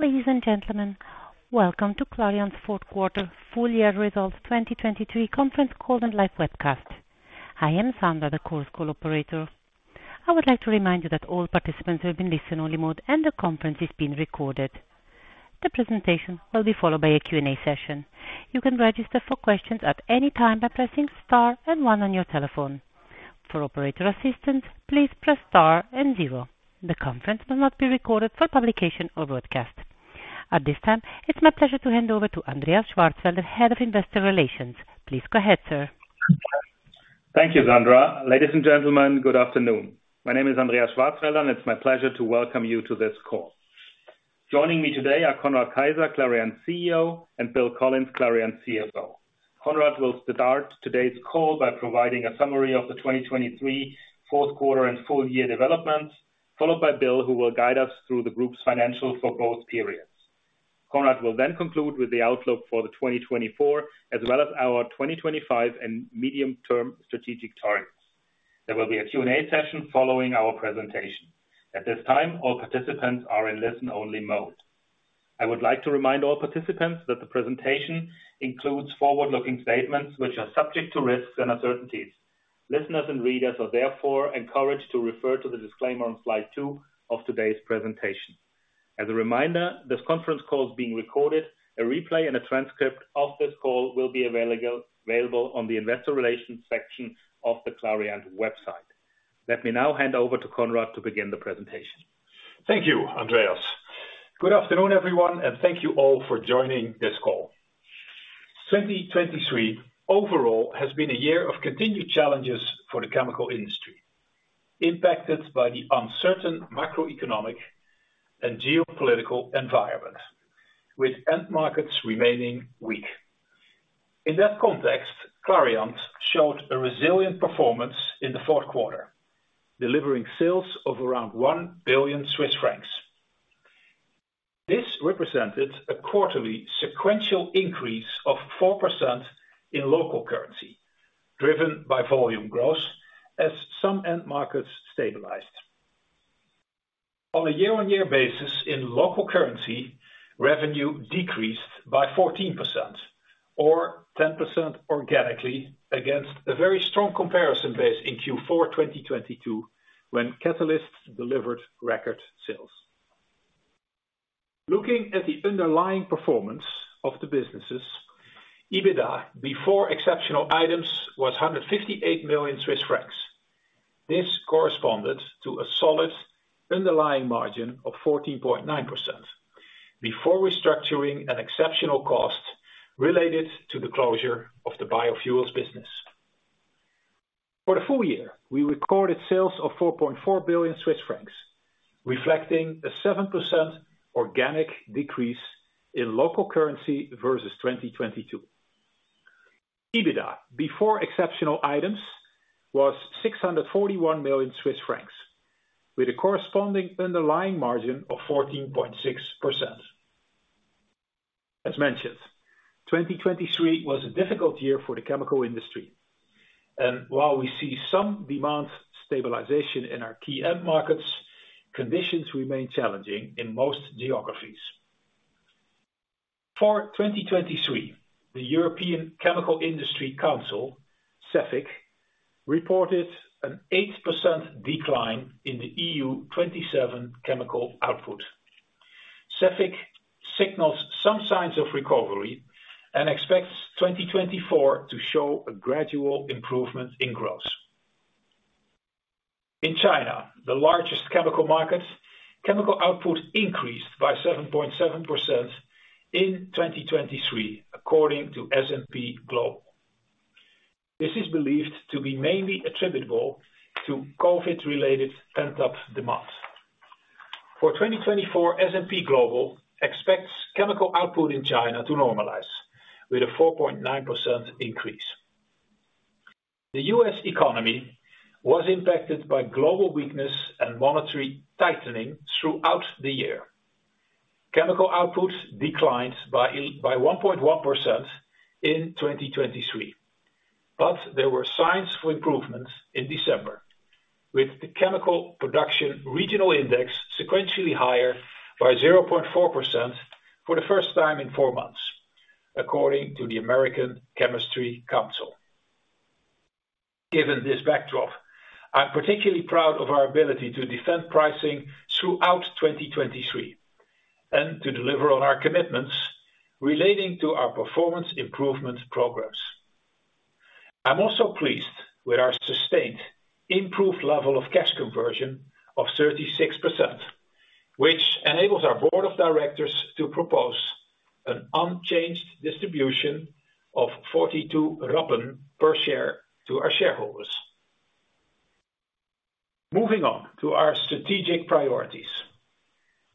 Ladies and gentlemen, welcome to Clariant's fourth quarter full-year results 2023 conference call and live webcast. I am Sandra, the conference operator. I would like to remind you that all participants will be in listen-only mode and the conference is being recorded. The presentation will be followed by a Q&A session. You can register for questions at any time by pressing star and one on your telephone. For operator assistance, please press star and zero. The conference will not be recorded for publication or broadcast. At this time, it's my pleasure to hand over to Andreas Schwarzwälder, head of investor relations. Please go ahead, sir. Thank you, Sandra. Ladies and gentlemen, good afternoon. My name is Andreas Schwarzwälder, and it's my pleasure to welcome you to this call. Joining me today are Conrad Keijzer, Clariant's CEO, and Bill Collins, Clariant's CFO. Conrad will start today's call by providing a summary of the 2023 fourth quarter and full-year developments, followed by Bill, who will guide us through the group's financials for both periods. Conrad will then conclude with the outlook for the 2024 as well as our 2025 and medium-term strategic targets. There will be a Q&A session following our presentation. At this time, all participants are in listen-only mode. I would like to remind all participants that the presentation includes forward-looking statements which are subject to risks and uncertainties. Listeners and readers are therefore encouraged to refer to the disclaimer on slide two of today's presentation. As a reminder, this conference call is being recorded. A replay and a transcript of this call will be available on the investor relations section of the Clariant website. Let me now hand over to Conrad to begin the presentation. Thank you, Andreas. Good afternoon, everyone, and thank you all for joining this call. 2023 overall has been a year of continued challenges for the chemical industry, impacted by the uncertain macroeconomic and geopolitical environment, with end markets remaining weak. In that context, Clariant showed a resilient performance in the fourth quarter, delivering sales of around 1 billion Swiss francs. This represented a quarterly sequential increase of 4% in local currency, driven by volume growth as some end markets stabilized. On a year-on-year basis, in local currency, revenue decreased by 14% or 10% organically against a very strong comparison base in Q4 2022 when catalysts delivered record sales. Looking at the underlying performance of the businesses, EBITDA before exceptional items was 158 million Swiss francs. This corresponded to a solid underlying margin of 14.9% before restructuring and exceptional costs related to the closure of the biofuels business. For the full-year, we recorded sales of 4.4 billion Swiss francs, reflecting a 7% organic decrease in local currency versus 2022. EBITDA before exceptional items was 641 million Swiss francs, with a corresponding underlying margin of 14.6%. As mentioned, 2023 was a difficult year for the chemical industry. While we see some demand stabilization in our key end markets, conditions remain challenging in most geographies. For 2023, the European Chemical Industry Council, CEFIC, reported an 8% decline in the EU 27 chemical output. CEFIC signals some signs of recovery and expects 2024 to show a gradual improvement in growth. In China, the largest chemical market, chemical output increased by 7.7% in 2023 according to S&P Global. This is believed to be mainly attributable to COVID-related pent-up demand. For 2024, S&P Global expects chemical output in China to normalize with a 4.9% increase. The US economy was impacted by global weakness and monetary tightening throughout the year. Chemical output declined by 1.1% in 2023, but there were signs for improvement in December, with the Chemical Production Regional Index sequentially higher by 0.4% for the first time in four months, according to the American Chemistry Council. Given this backdrop, I'm particularly proud of our ability to defend pricing throughout 2023 and to deliver on our commitments relating to our performance improvement programs. I'm also pleased with our sustained improved level of cash conversion of 36%, which enables our board of directors to propose an unchanged distribution of 0.42 per share to our shareholders. Moving on to our strategic priorities.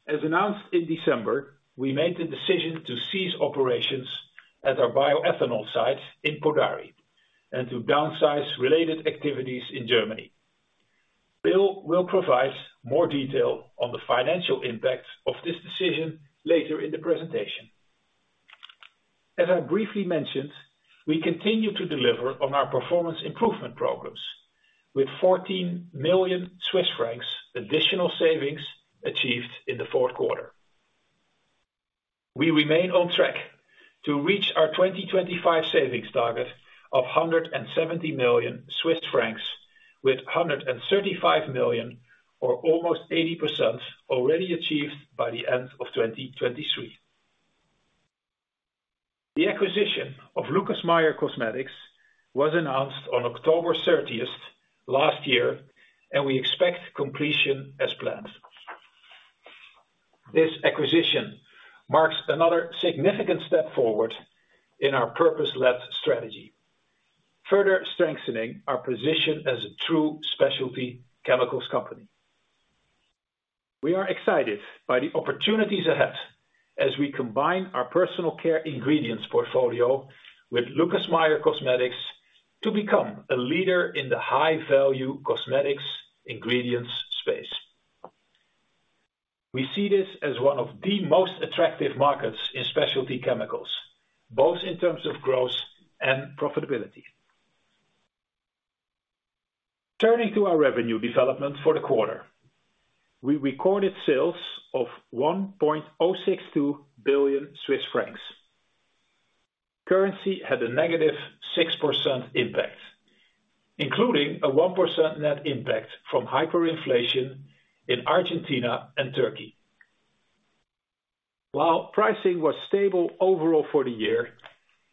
As announced in December, we made the decision to cease operations at our bioethanol site in Podari and to downsize related activities in Germany. Bill will provide more detail on the financial impact of this decision later in the presentation. As I briefly mentioned, we continue to deliver on our performance improvement programs, with 14 million Swiss francs additional savings achieved in the fourth quarter. We remain on track to reach our 2025 savings target of 170 million Swiss francs, with 135 million or almost 80% already achieved by the end of 2023. The acquisition of Lucas Meyer Cosmetics was announced on October 30th last year, and we expect completion as planned. This acquisition marks another significant step forward in our purpose-led strategy, further strengthening our position as a true specialty chemicals company. We are excited by the opportunities ahead as we combine our personal care ingredients portfolio with Lucas Meyer Cosmetics to become a leader in the high-value cosmetics ingredients space. We see this as one of the most attractive markets in specialty chemicals, both in terms of growth and profitability. Turning to our revenue development for the quarter, we recorded sales of 1.062 billion Swiss francs. Currency had a negative 6% impact, including a 1% net impact from hyperinflation in Argentina and Turkey. While pricing was stable overall for the year,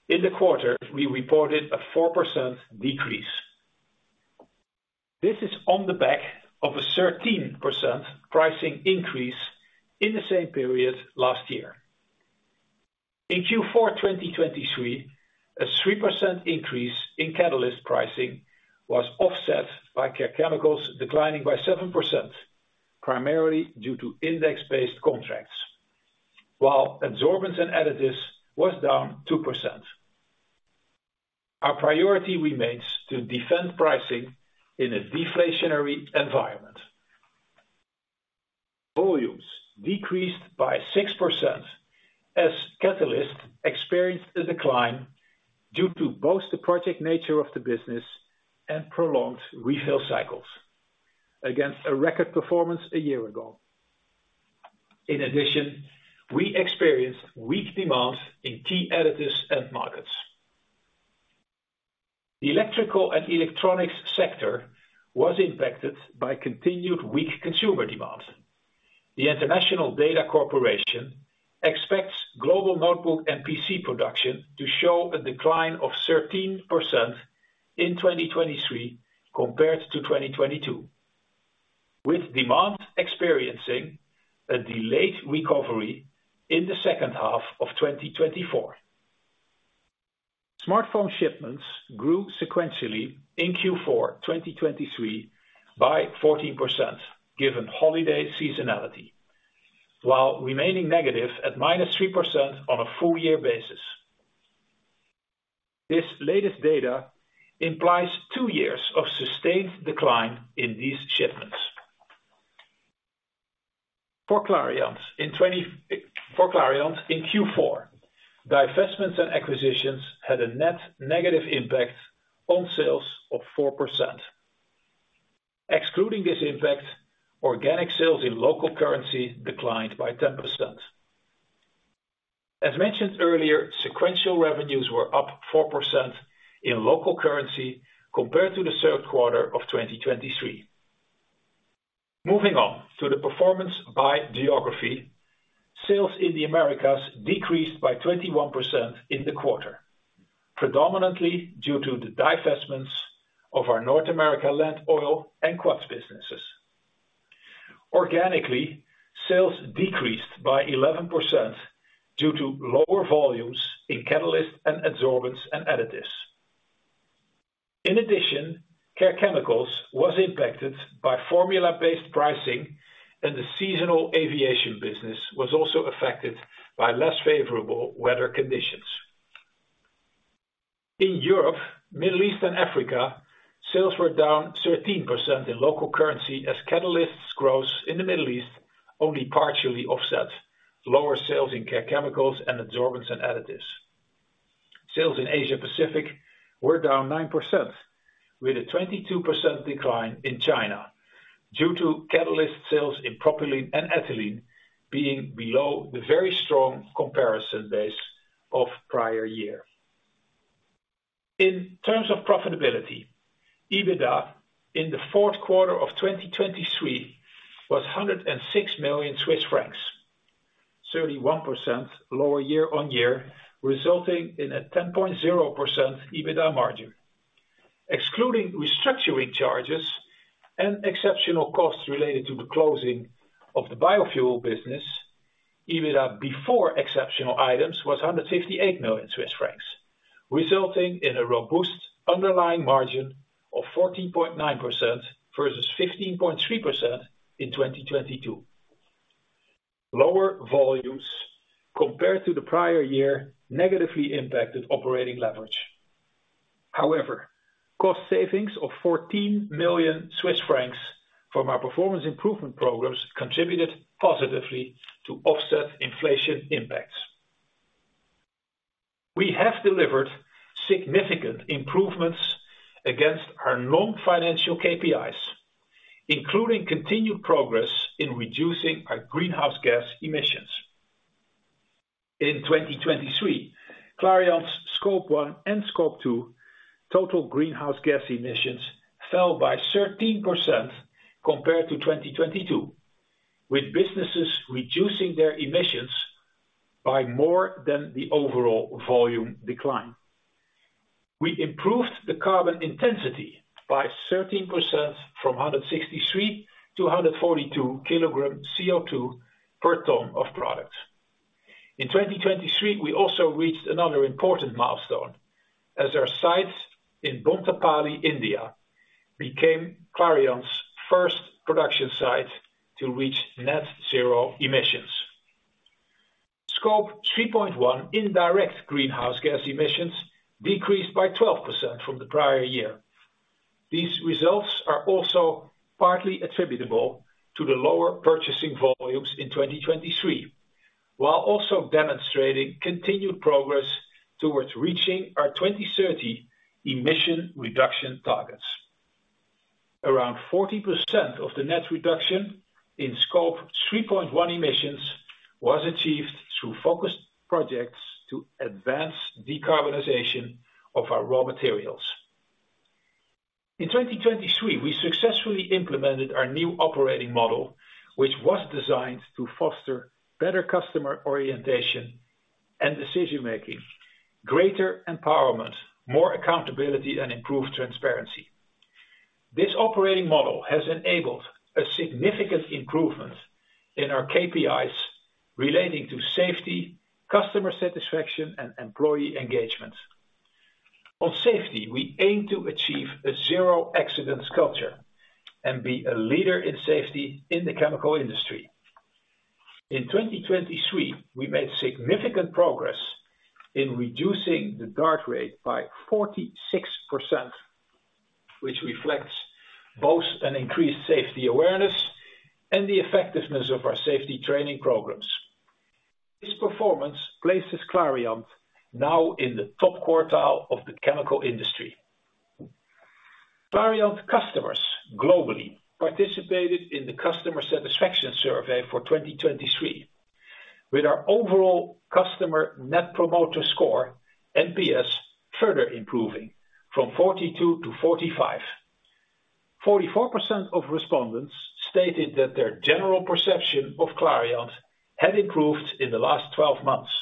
in the quarter, we reported a 4% decrease. This is on the back of a 13% pricing increase in the same period last year. In Q4 2023, a 3% increase in Catalysts pricing was offset by care chemicals declining by 7%, primarily due to index-based contracts, while adsorbents and additives were down 2%. Our priority remains to defend pricing in a deflationary environment. Volumes decreased by 6% as Catalysts experienced a decline due to both the project nature of the business and prolonged refill cycles against a record performance a year ago. In addition, we experienced weak demand in key additives and markets. The electrical and electronics sector was impacted by continued weak consumer demand. The International Data Corporation expects global notebook and PC production to show a decline of 13% in 2023 compared to 2022, with demand experiencing a delayed recovery in the second half of 2024. Smartphone shipments grew sequentially in Q4 2023 by 14% given holiday seasonality, while remaining negative at -3% on a full-year basis. This latest data implies two years of sustained decline in these shipments. For Clariant in Q4, divestments and acquisitions had a net negative impact on sales of 4%. Excluding this impact, organic sales in local currency declined by 10%. As mentioned earlier, sequential revenues were up 4% in local currency compared to the third quarter of 2023. Moving on to the performance by geography, sales in the Americas decreased by 21% in the quarter, predominantly due to the divestments of our North American Land Oil and Quats businesses. Organically, sales decreased by 11% due to lower volumes in Catalysts and Adsorbents and Additives. In addition, Care Chemicals were impacted by formula-based pricing, and the seasonal aviation business was also affected by less favorable weather conditions. In Europe, Middle East, and Africa, sales were down 13% in local currency as Catalysts' growth in the Middle East only partially offset lower sales in Care Chemicals and Adsorbents and Additives. Sales in Asia-Pacific were down 9%, with a 22% decline in China due to Catalyst sales in propylene and ethylene being below the very strong comparison base of prior year. In terms of profitability, EBITDA in the fourth quarter of 2023 was 106 million Swiss francs, 31% lower year-on-year, resulting in a 10.0% EBITDA margin. Excluding restructuring charges and exceptional costs related to the closing of the biofuel business, EBITDA before exceptional items was 158 million Swiss francs, resulting in a robust underlying margin of 14.9% versus 15.3% in 2022. Lower volumes compared to the prior year negatively impacted operating leverage. However, cost savings of 14 million Swiss francs from our performance improvement programs contributed positively to offset inflation impacts. We have delivered significant improvements against our long-term financial KPIs, including continued progress in reducing our greenhouse gas emissions. In 2023, Clariant's Scope 1 and Scope 2 total greenhouse gas emissions fell by 13% compared to 2022, with businesses reducing their emissions by more than the overall volume decline. We improved the carbon intensity by 13% from 163 to 142 kilograms CO2 per ton of product. In 2023, we also reached another important milestone as our site in Bonthapally, India, became Clariant's first production site to reach net zero emissions. Scope 3.1 indirect greenhouse gas emissions decreased by 12% from the prior year. These results are also partly attributable to the lower purchasing volumes in 2023, while also demonstrating continued progress towards reaching our 2030 emission reduction targets. Around 40% of the net reduction in Scope 3.1 emissions was achieved through focused projects to advance decarbonization of our raw materials. In 2023, we successfully implemented our new operating model, which was designed to foster better customer orientation and decision-making, greater empowerment, more accountability, and improved transparency. This operating model has enabled a significant improvement in our KPIs relating to safety, customer satisfaction, and employee engagement. On safety, we aim to achieve a zero-accidents culture and be a leader in safety in the chemical industry. In 2023, we made significant progress in reducing the DART rate by 46%, which reflects both an increased safety awareness and the effectiveness of our safety training programs. This performance places Clariant now in the top quartile of the chemical industry. Clariant customers globally participated in the customer satisfaction survey for 2023, with our overall customer Net Promoter Score (NPS) further improving from 42 to 45. 44% of respondents stated that their general perception of Clariant had improved in the last 12 months,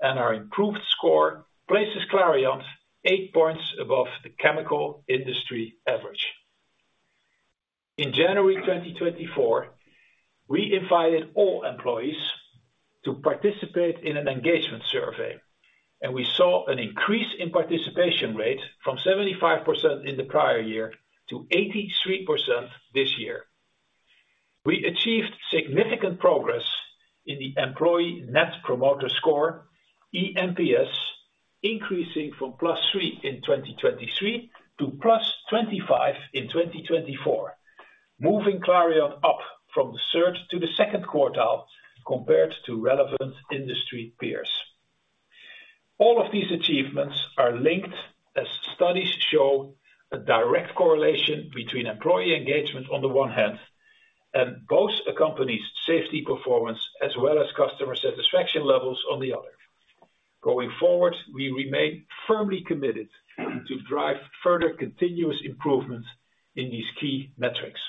and our improved score places Clariant eight points above the chemical industry average. In January 2024, we invited all employees to participate in an engagement survey, and we saw an increase in participation rate from 75% in the prior year to 83% this year. We achieved significant progress in the Employee Net Promoter Score (eNPS), increasing from +3 in 2023 to +25 in 2024, moving Clariant up from the third to the second quartile compared to relevant industry peers. All of these achievements are linked, as studies show, a direct correlation between employee engagement on the one hand and both companies' safety performance as well as customer satisfaction levels on the other. Going forward, we remain firmly committed to drive further continuous improvements in these key metrics.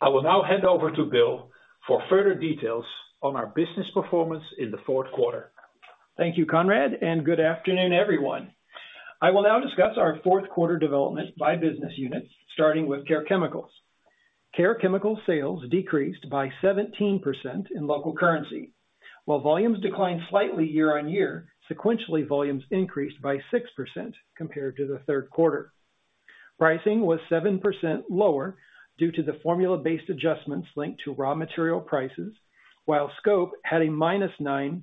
I will now hand over to Bill for further details on our business performance in the fourth quarter. Thank you, Conrad, and good afternoon, everyone. I will now discuss our fourth quarter development by business unit, starting with Care Chemicals. Care Chemicals sales decreased by 17% in local currency. While volumes declined slightly year-on-year, sequentially volumes increased by 6% compared to the third quarter. Pricing was 7% lower due to the formula-based adjustments linked to raw material prices, while scope had a -9%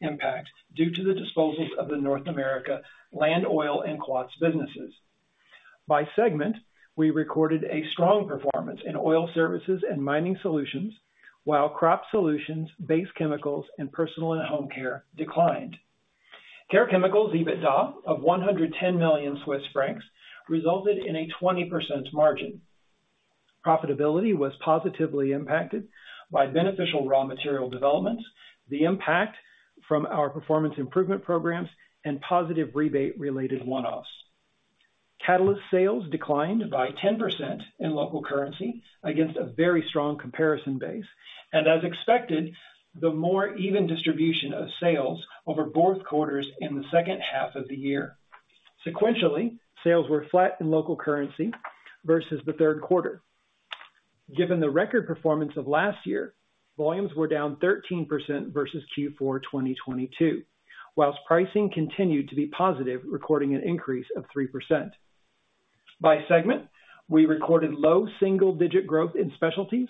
impact due to the disposals of the North America land oil and Quats businesses. By segment, we recorded a strong performance in oil services and mining solutions, while crop solutions, base chemicals, and personal and home care declined. Care Chemicals EBITDA of 110 million Swiss francs resulted in a 20% margin. Profitability was positively impacted by beneficial raw material developments, the impact from our performance improvement programs, and positive rebate-related one-offs. Catalyst sales declined by 10% in local currency against a very strong comparison base, and as expected, the more even distribution of sales over both quarters in the second half of the year. Sequentially, sales were flat in local currency versus the third quarter. Given the record performance of last year, volumes were down 13% versus Q4 2022, while pricing continued to be positive, recording an increase of 3%. By segment, we recorded low single-digit growth in specialties,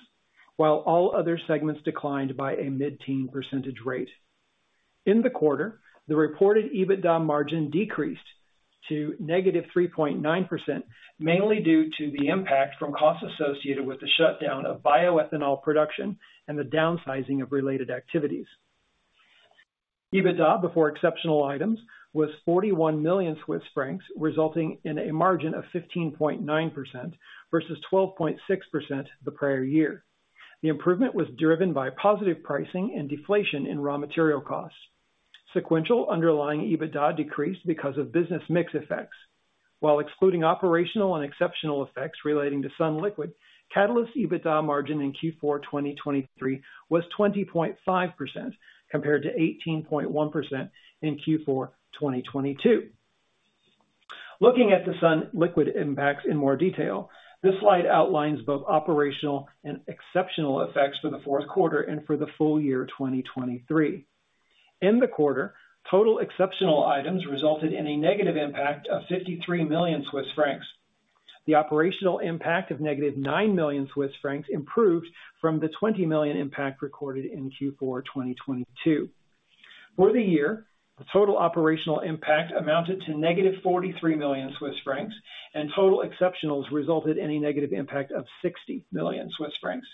while all other segments declined by a mid-teens percentage rate. In the quarter, the reported EBITDA margin decreased to negative 3.9%, mainly due to the impact from costs associated with the shutdown of bioethanol production and the downsizing of related activities. EBITDA before exceptional items was 41 million Swiss francs, resulting in a margin of 15.9% versus 12.6% the prior year. The improvement was driven by positive pricing and deflation in raw material costs. Sequential underlying EBITDA decreased because of business mix effects. While excluding operational and exceptional effects relating to sunliquid, catalyst EBITDA margin in Q4 2023 was 20.5% compared to 18.1% in Q4 2022. Looking at the sunliquid impacts in more detail, this slide outlines both operational and exceptional effects for the fourth quarter and for the full-year 2023. In the quarter, total exceptional items resulted in a negative impact of 53 million Swiss francs. The operational impact of negative 9 million Swiss francs improved from the 20 million impact recorded in Q4 2022. For the year, the total operational impact amounted to negative 43 million Swiss francs, and total exceptionals resulted in a negative impact of 60 million Swiss francs.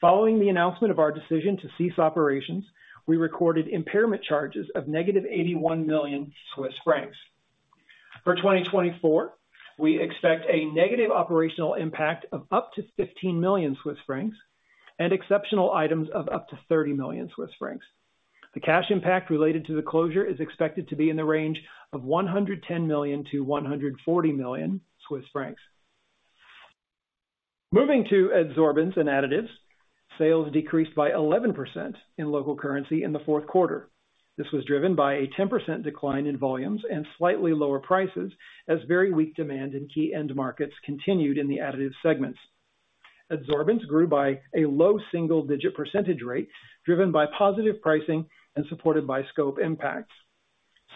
Following the announcement of our decision to cease operations, we recorded impairment charges of negative 81 million Swiss francs. For 2024, we expect a negative operational impact of up to 15 million Swiss francs and exceptional items of up to 30 million Swiss francs. The cash impact related to the closure is expected to be in the range of 110 million-140 million Swiss francs. Moving to Adsorbents and Additives, sales decreased by 11% in local currency in the fourth quarter. This was driven by a 10% decline in volumes and slightly lower prices as very weak demand in key end markets continued in the Additives segments. Adsorbents grew by a low single-digit percentage rate driven by positive pricing and supported by scope impacts.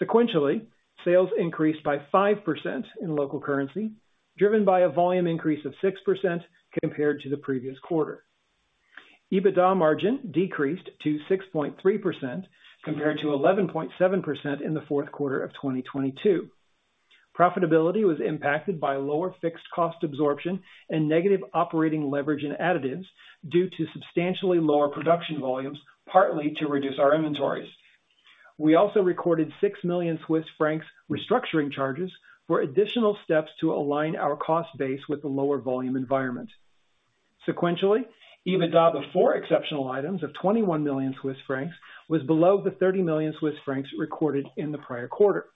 Sequentially, sales increased by 5% in local currency, driven by a volume increase of 6% compared to the previous quarter. EBITDA margin decreased to 6.3% compared to 11.7% in the fourth quarter of 2022. Profitability was impacted by lower fixed cost absorption and negative operating leverage in Additives due to substantially lower production volumes, partly to reduce our inventories. We also recorded 6 million Swiss francs restructuring charges for additional steps to align our cost base with the lower volume environment. Sequentially, EBITDA before exceptional items of 21 million Swiss francs was below the 30 million Swiss francs recorded in the prior quarter.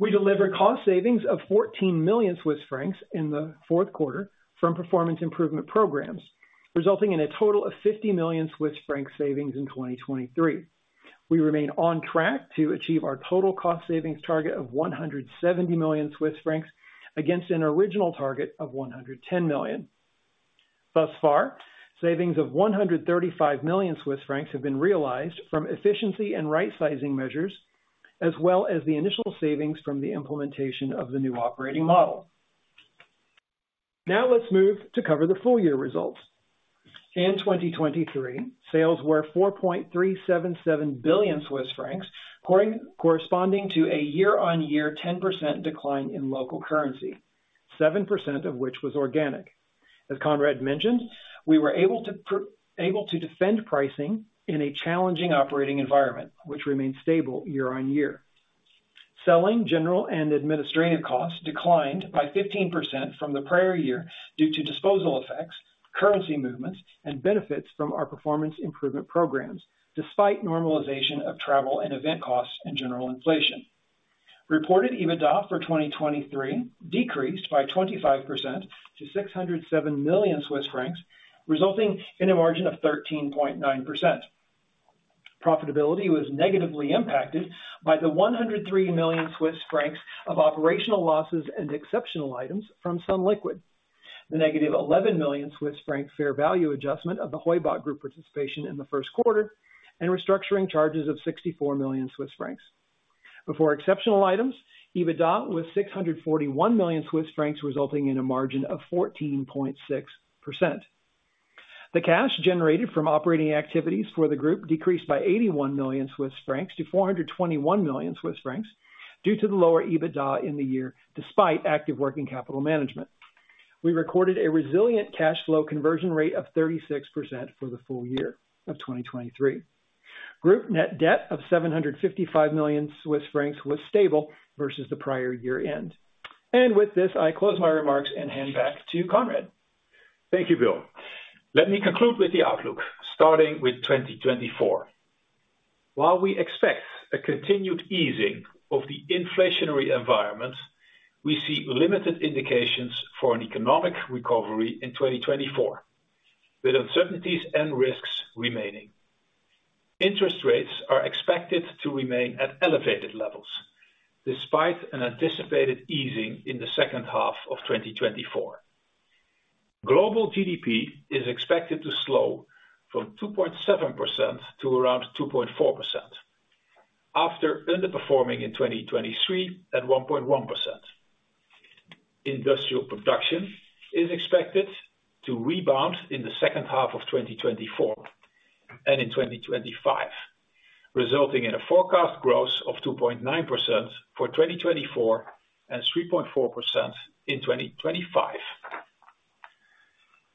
We delivered cost savings of 14 million Swiss francs in the fourth quarter from performance improvement programs, resulting in a total of 50 million Swiss franc savings in 2023. We remain on track to achieve our total cost savings target of 170 million Swiss francs against an original target of 110 million. Thus far, savings of 135 million Swiss francs have been realized from efficiency and right-sizing measures, as well as the initial savings from the implementation of the new operating model. Now let's move to cover the full-year results. In 2023, sales were 4.377 billion Swiss francs, corresponding to a year-on-year 10% decline in local currency, 7% of which was organic. As Conrad mentioned, we were able to defend pricing in a challenging operating environment, which remained stable year-on-year. Selling, general, and administrative costs declined by 15% from the prior year due to disposal effects, currency movements, and benefits from our performance improvement programs, despite normalization of travel and event costs and general inflation. Reported EBITDA for 2023 decreased by 25% to 607 million Swiss francs, resulting in a margin of 13.9%. Profitability was negatively impacted by the 103 million Swiss francs of operational losses and exceptional items from sunliquid, the negative 11 million Swiss franc fair value adjustment of the Heubach Group participation in the first quarter, and restructuring charges of 64 million Swiss francs. Before exceptional items, EBITDA was 641 million Swiss francs, resulting in a margin of 14.6%. The cash generated from operating activities for the group decreased by 81 million Swiss francs to 421 million Swiss francs due to the lower EBITDA in the year, despite active working capital management. We recorded a resilient cash flow conversion rate of 36% for the full year of 2023. Group net debt of 755 million Swiss francs was stable versus the prior year-end. And with this, I close my remarks and hand back to Conrad. Thank you, Bill. Let me conclude with the outlook, starting with 2024. While we expect a continued easing of the inflationary environment, we see limited indications for an economic recovery in 2024, with uncertainties and risks remaining. Interest rates are expected to remain at elevated levels, despite an anticipated easing in the second half of 2024. Global GDP is expected to slow from 2.7% to around 2.4%, after underperforming in 2023 at 1.1%. Industrial production is expected to rebound in the second half of 2024 and in 2025, resulting in a forecast growth of 2.9% for 2024 and 3.4% in 2025.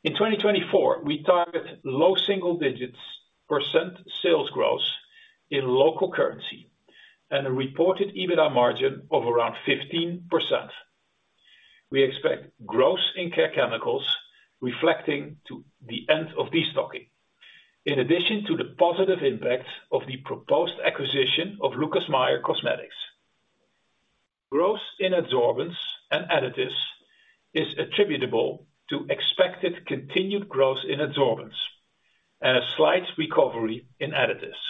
In 2024, we target low single-digit % sales growth in local currency and a reported EBITDA margin of around 15%. We expect growth in Care Chemicals reflecting to the end of destocking, in addition to the positive impact of the proposed acquisition of Lucas Meyer Cosmetics. Growth in Adsorbents and Additives is attributable to expected continued growth in Adsorbents and a slight recovery in Additives.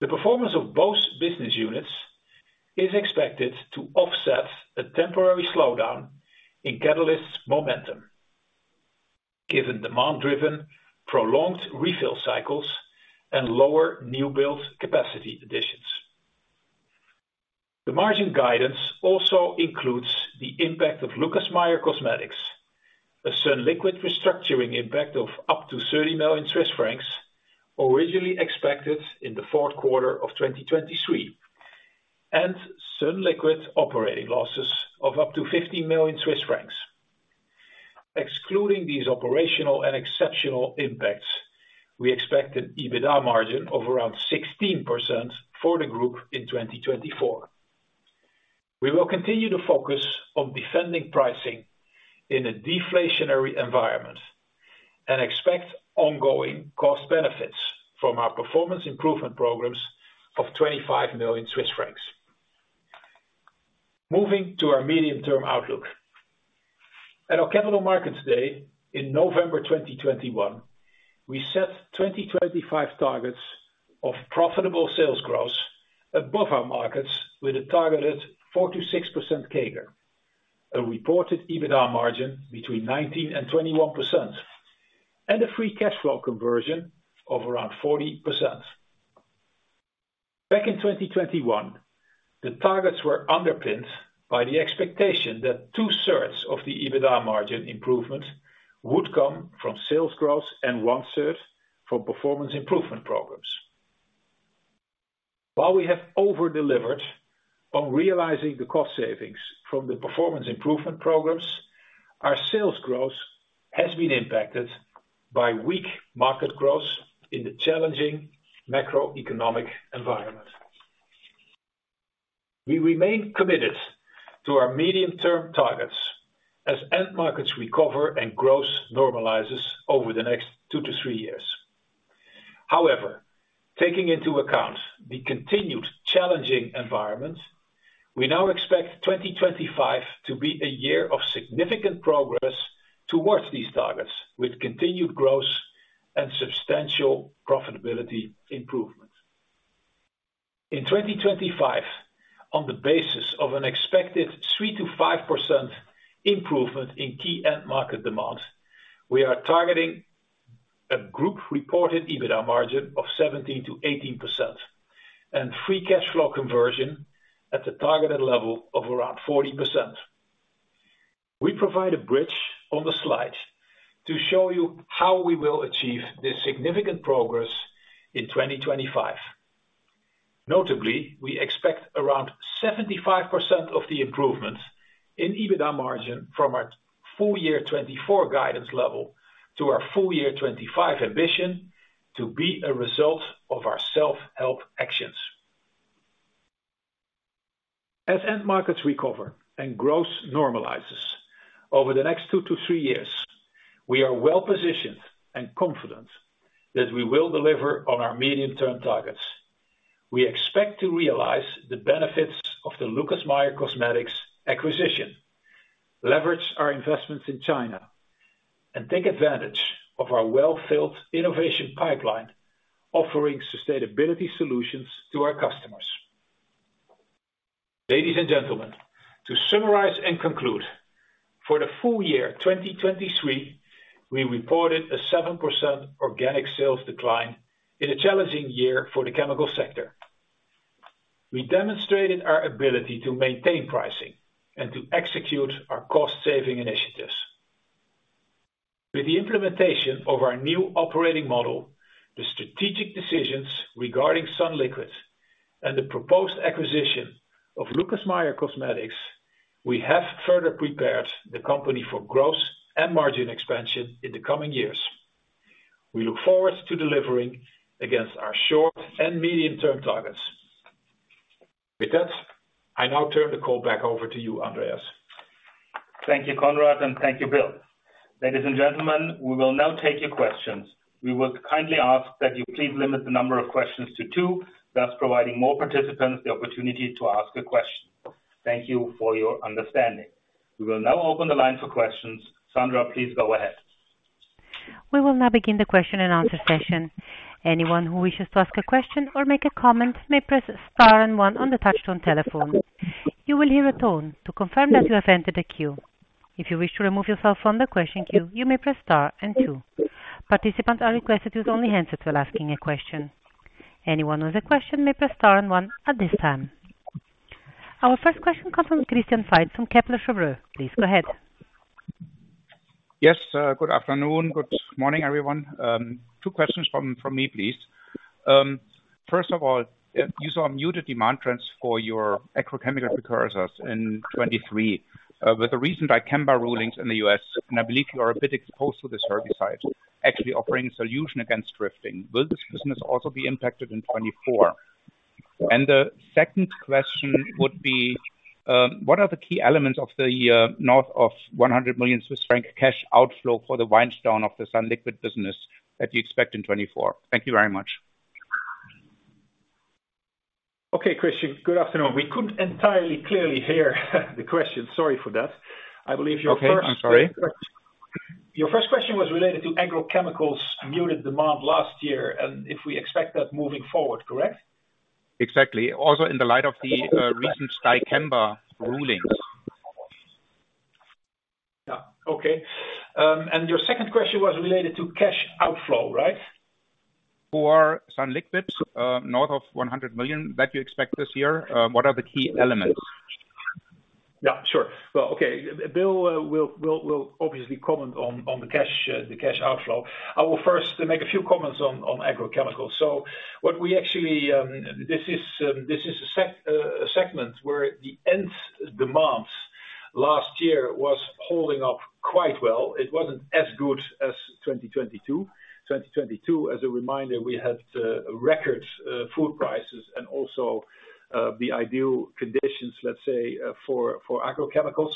The performance of both business units is expected to offset a temporary slowdown in Catalysts momentum, given demand-driven prolonged refill cycles and lower new build capacity additions. The margin guidance also includes the impact of Lucas Meyer Cosmetics, a sunliquid restructuring impact of up to 30 million Swiss francs originally expected in the fourth quarter of 2023, and sunliquid operating losses of up to 15 million Swiss francs. Excluding these operational and exceptional impacts, we expect an EBITDA margin of around 16% for the group in 2024. We will continue to focus on defending pricing in a deflationary environment and expect ongoing cost benefits from our performance improvement programs of 25 million Swiss francs. Moving to our medium-term outlook. At our capital markets day in November 2021, we set 2025 targets of profitable sales growth above our markets with a targeted 4%-6% CAGR, a reported EBITDA margin between 19%-21%, and a free cash flow conversion of around 40%. Back in 2021, the targets were underpinned by the expectation that two-thirds of the EBITDA margin improvement would come from sales growth and one-third from performance improvement programs. While we have overdelivered on realizing the cost savings from the performance improvement programs, our sales growth has been impacted by weak market growth in the challenging macroeconomic environment. We remain committed to our medium-term targets as end markets recover and growth normalizes over the next two to three years. However, taking into account the continued challenging environment, we now expect 2025 to be a year of significant progress towards these targets with continued growth and substantial profitability improvement. In 2025, on the basis of an expected 3%-5% improvement in key end market demand, we are targeting a group reported EBITDA margin of 17%-18% and free cash flow conversion at the targeted level of around 40%. We provide a bridge on the slide to show you how we will achieve this significant progress in 2025. Notably, we expect around 75% of the improvement in EBITDA margin from our full-year 2024 guidance level to our full year 2025 ambition to be a result of our self-help actions. As end markets recover and growth normalizes over the next two to three years, we are well positioned and confident that we will deliver on our medium-term targets. We expect to realize the benefits of the Lucas Meyer Cosmetics acquisition, leverage our investments in China, and take advantage of our well-filled innovation pipeline offering sustainability solutions to our customers. Ladies and gentlemen, to summarize and conclude, for the ful- year 2023, we reported a 7% organic sales decline in a challenging year for the chemical sector. We demonstrated our ability to maintain pricing and to execute our cost-saving initiatives. With the implementation of our new operating model, the strategic decisions regarding sunliquid, and the proposed acquisition of Lucas Meyer Cosmetics, we have further prepared the company for growth and margin expansion in the coming years. We look forward to delivering against our short and medium-term targets. With that, I now turn the call back over to you, Andreas. Thank you, Conrad, and thank you, Bill. Ladies and gentlemen, we will now take your questions. We would kindly ask that you please limit the number of questions to two, thus providing more participants the opportunity to ask a question. Thank you for your understanding. We will now open the line for questions. Sandra, please go ahead. We will now begin the question and answer session. Anyone who wishes to ask a question or make a comment may press star and one on the touch-tone telephone. You will hear a tone to confirm that you have entered the queue. If you wish to remove yourself from the question queue, you may press star and two. Participants are requested to use only handsets while asking a question. Anyone who has a question may press star and one at this time. Our first question comes from Christian Faitz from Kepler Cheuvreux. Please go ahead. Yes. Good afternoon. Good morning, everyone. Two questions from me, please. First of all, you saw muted demand trends for your agrochemical precursors in 2023 with the recent Dicamba rulings in the U.S., and I believe you are a bit exposed to this herbicide actually offering a solution against drifting. Will this business also be impacted in 2024? The second question would be, what are the key elements of the north of 100 million Swiss franc cash outflow for the wind down of the sunliquid business that you expect in 2024?Thank you very much. Okay, Christian, good afternoon. We couldn't entirely clearly hear the question. Sorry for that. I believe your first question. Okay. I'm sorry. Your first question was related to agrochemicals muted demand last year and if we expect that moving forward, correct? Exactly. Also in the light of the recent Dicamba rulings. Yeah. Okay. And your second question was related to cash outflow, right? For sunliquid, north of 100 million that you expect this year, what are the key elements? Yeah. Sure. Well, okay. Bill will obviously comment on the cash outflow. I will first make a few comments on agrochemicals. This is a segment where the end demand last year was holding up quite well. It wasn't as good as 2022. 2022, as a reminder, we had record food prices and also the ideal conditions, let's say, for agrochemicals.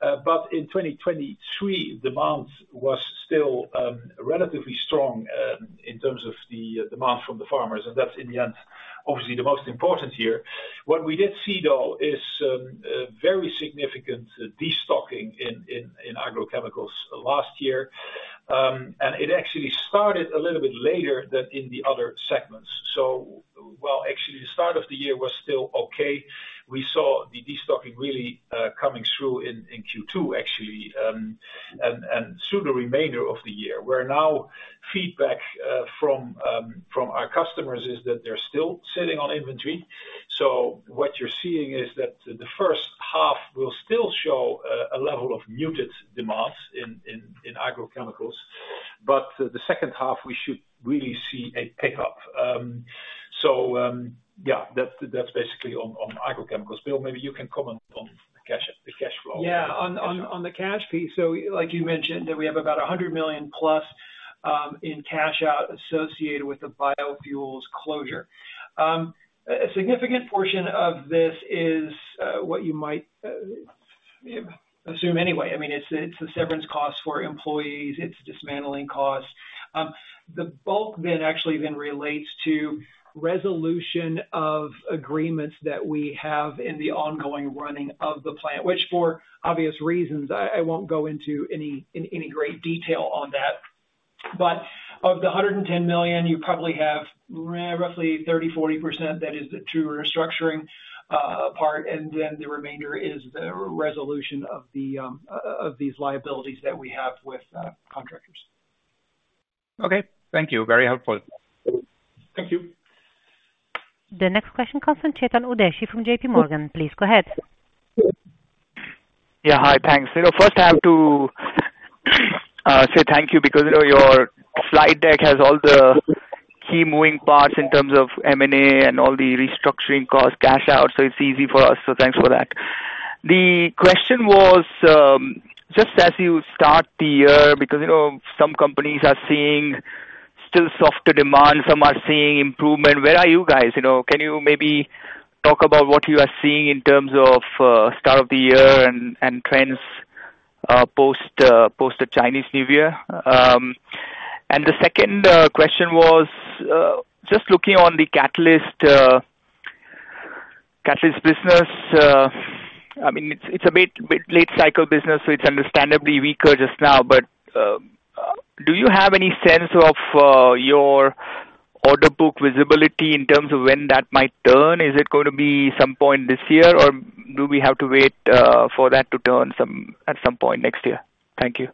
But in 2023, demand was still relatively strong in terms of the demand from the farmers, and that's in the end, obviously, the most important here. What we did see, though, is very significant destocking in agrochemicals last year, and it actually started a little bit later than in the other segments. So while actually the start of the year was still okay, we saw the destocking really coming through in Q2, actually, and through the remainder of the year, where now feedback from our customers is that they're still sitting on inventory. So what you're seeing is that the first half will still show a level of muted demands in agrochemicals, but the second half, we should really see a pickup. So yeah, that's basically on agrochemicals. Bill, maybe you can comment on the cash flow. Yeah. On the cash piece, so like you mentioned, we have about 100 million plus in cash out associated with the biofuels closure. A significant portion of this is what you might assume anyway. I mean, it's the severance costs for employees. It's dismantling costs. The bulk then actually relates to resolution of agreements that we have in the ongoing running of the plant, which for obvious reasons, I won't go into any great detail on that. But of the 110 million, you probably have roughly 30%-40% that is the true restructuring part, and then the remainder is the resolution of these liabilities that we have with contractors. Okay. Thank you. Very helpful. Thank you. The next question comes from Chetan Udeshi from JP Morgan. Please go ahead. Yeah. Hi. Thanks. First, I have to say thank you because your slide deck has all the key moving parts in terms of M&A and all the restructuring costs, cash out, so it's easy for us. So thanks for that. The question was just as you start the year because some companies are seeing still softer demand. Some are seeing improvement. Where are you guys? Can you maybe talk about what you are seeing in terms of start of the year and trends post the Chinese New Year? The second question was just looking on the catalyst business. I mean, it's a bit late cycle business, so it's understandably weaker just now. But do you have any sense of your order book visibility in terms of when that might turn? Is it going to be some point this year, or do we have to wait for that to turn at some point next year? Thank you.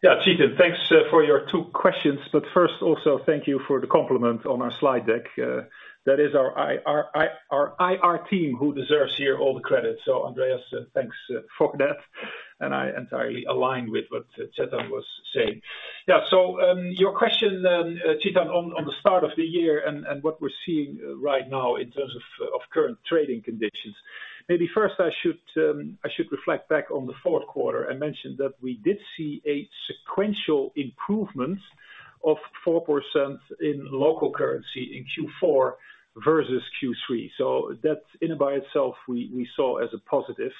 Yeah. Chetan, thanks for your two questions. But first, also, thank you for the compliment on our slide deck. That is our IR team who deserves here all the credit. So Andreas, thanks for that. And I entirely align with what Chetan was saying. Yeah. So your question, Chetan, on the start of the year and what we're seeing right now in terms of current trading conditions. Maybe first, I should reflect back on the fourth quarter and mention that we did see a sequential improvement of 4% in local currency in Q4 versus Q3. So that in and by itself, we saw as a positive.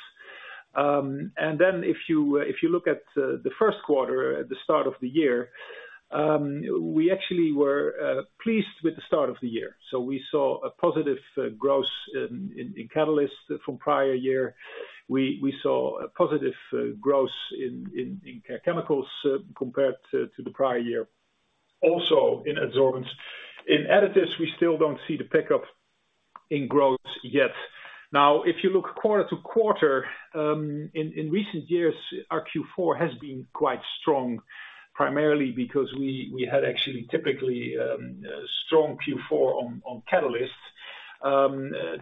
Then if you look at the first quarter, at the start of the year, we actually were pleased with the start of the year. So we saw a positive growth in Catalysts from prior year. We saw a positive growth in Care Chemicals compared to the prior year, also in Adsorbents. In Additives, we still don't see the pickup in growth yet. Now, if you look quarter to quarter, in recent years, our Q4 has been quite strong, primarily because we had actually typically strong Q4 on Catalysts.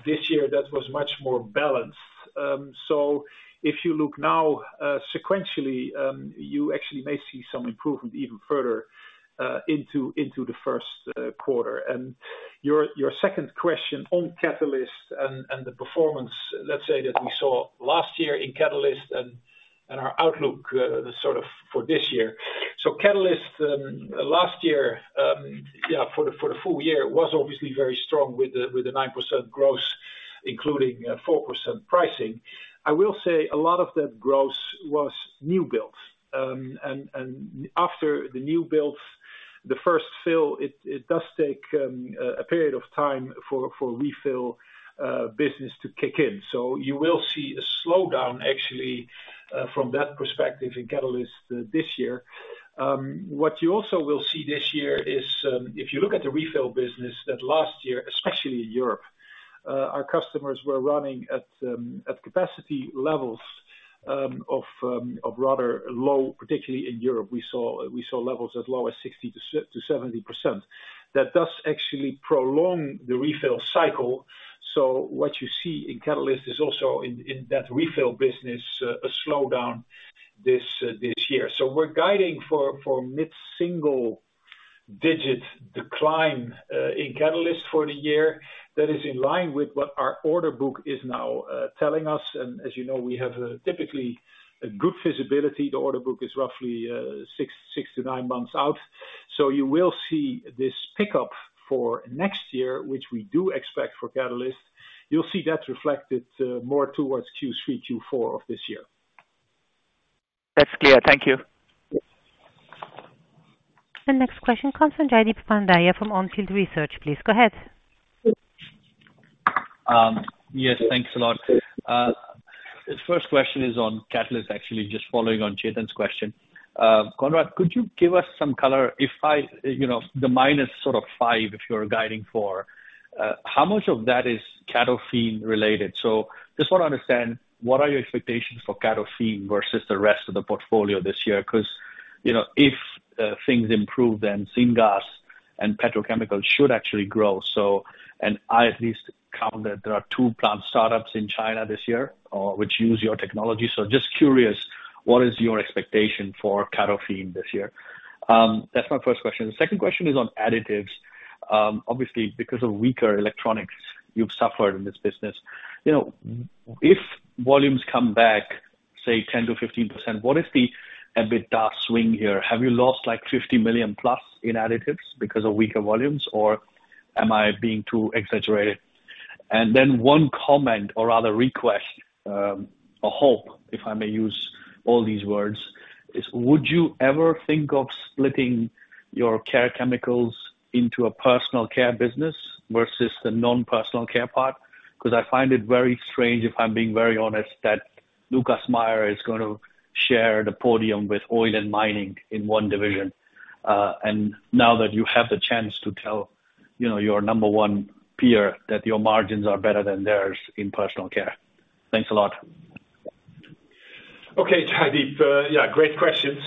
This year, that was much more balanced. If you look now sequentially, you actually may see some improvement even further into the first quarter. Your second question on catalysts and the performance, let's say that we saw last year in catalysts and our outlook sort of for this year. Catalysts last year, yeah, for the full year, was obviously very strong with the 9% growth, including 4% pricing. I will say a lot of that growth was new builds. After the new builds, the first fill, it does take a period of time for refill business to kick in. You will see a slowdown, actually, from that perspective in catalysts this year. What you also will see this year is if you look at the refill business that last year, especially in Europe, our customers were running at capacity levels of rather low, particularly in Europe. We saw levels as low as 60%-70%. That does actually prolong the refill cycle. So what you see in catalysts is also in that refill business a slowdown this year. So we're guiding for mid-single digit decline in catalysts for the year. That is in line with what our order book is now telling us. And as you know, we have typically a good visibility. The order book is roughly six to nine months out. So you will see this pickup for next year, which we do expect for catalysts. You'll see that reflected more towards Q3, Q4 of this year. That's clear. Thank you. The next question comes from Jaydeep Pandya from Onfield Research. Please go ahead. Yes. Thanks a lot. The first question is on catalysts, actually, just following on Chetan's question. Conrad, could you give us some color? If the minus sort of 5%, if you're guiding 4%, how much of that is Catofin related? So just want to understand, what are your expectations for Catofin versus the rest of the portfolio this year? Because if things improve, then syngas and petrochemicals should actually grow. And I at least count that there are two plant startups in China this year which use your technology. So just curious, what is your expectation for Catofin this year? That's my first question. The second question is on additives. Obviously, because of weaker electronics, you've suffered in this business. If volumes come back, say, 10%-15%, what is the EBITDA swing here? Have you lost 50 million+ in additives because of weaker volumes, or am I being too exaggerated? And then one comment or rather request, a hope, if I may use all these words, is would you ever think of splitting your Care Chemicals into a personal care business versus the non-personal care part? Because I find it very strange, if I'm being very honest, that Lucas Meyer is going to share the podium with oil and mining in one division. And now that you have the chance to tell your number one peer that your margins are better than theirs in personal care. Thanks a lot. Okay. Jaydeep, yeah, great questions.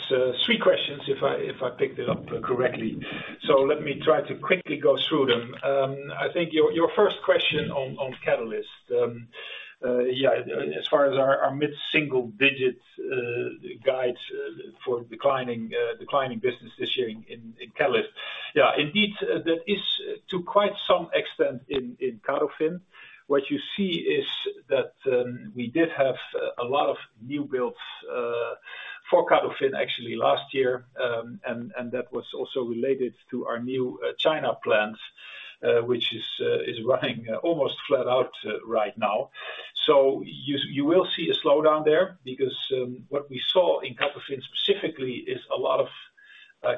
Sweet questions, if I picked it up correctly. So let me try to quickly go through them. I think your first question on catalysts, yeah, as far as our mid-single digit guides for declining business this year in catalysts. Yeah. Indeed, that is to quite some extent in Catofin. What you see is that we did have a lot of new builds for Catofin, actually, last year. That was also related to our new China plant, which is running almost flat out right now. You will see a slowdown there because what we saw in Catofin specifically is a lot of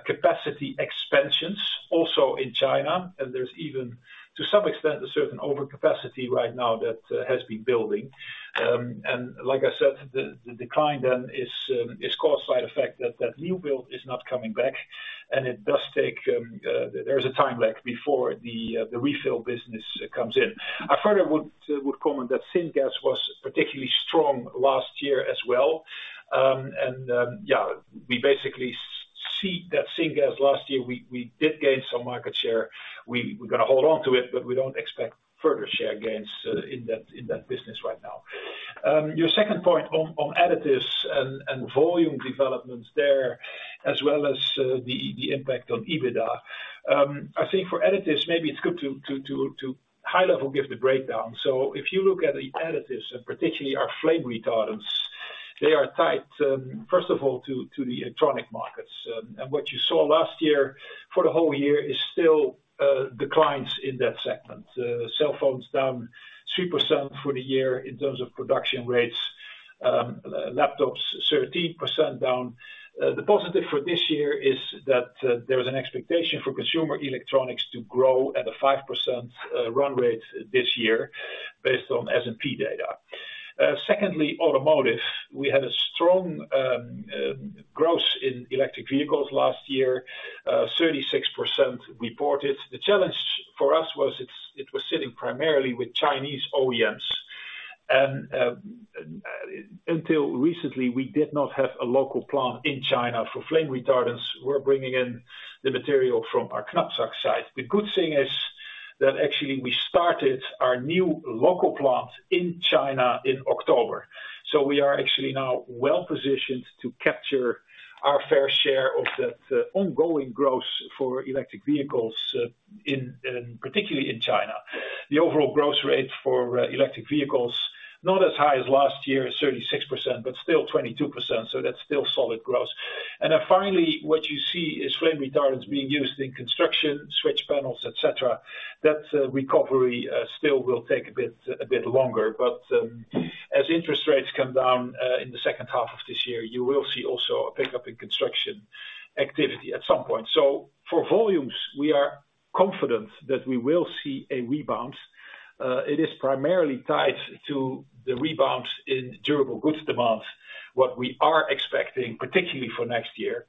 capacity expansions also in China. There's even, to some extent, a certain overcapacity right now that has been building. Like I said, the decline then is caused by the fact that that new build is not coming back, and it does take. There is a time lag before the refill business comes in. I further would comment that syngas was particularly strong last year as well. Yeah, we basically see that syngas last year, we did gain some market share. We're going to hold on to it, but we don't expect further share gains in that business right now. Your second point on additives and volume developments there, as well as the impact on EBITDA, I think for additives, maybe it's good to high-level give the breakdown. So if you look at the additives and particularly our flame retardants, they are tied, first of all, to the electronic markets. And what you saw last year for the whole year is still declines in that segment. Cell phones down 3% for the year in terms of production rates. Laptops 13% down. The positive for this year is that there was an expectation for consumer electronics to grow at a 5% run rate this year based on S&P data. Secondly, automotive, we had a strong growth in electric vehicles last year, 36% reported. The challenge for us was it was sitting primarily with Chinese OEMs. And until recently, we did not have a local plant in China for flame retardants. We're bringing in the material from our Knapsack site. The good thing is that actually, we started our new local plant in China in October. So we are actually now well-positioned to capture our fair share of that ongoing growth for electric vehicles, particularly in China. The overall growth rate for electric vehicles, not as high as last year, 36%, but still 22%. So that's still solid growth. And then finally, what you see is flame retardants being used in construction, switch panels, etc. That recovery still will take a bit longer. But as interest rates come down in the second half of this year, you will see also a pickup in construction activity at some point. So for volumes, we are confident that we will see a rebound. It is primarily tied to the rebound in durable goods demands, what we are expecting, particularly for next year.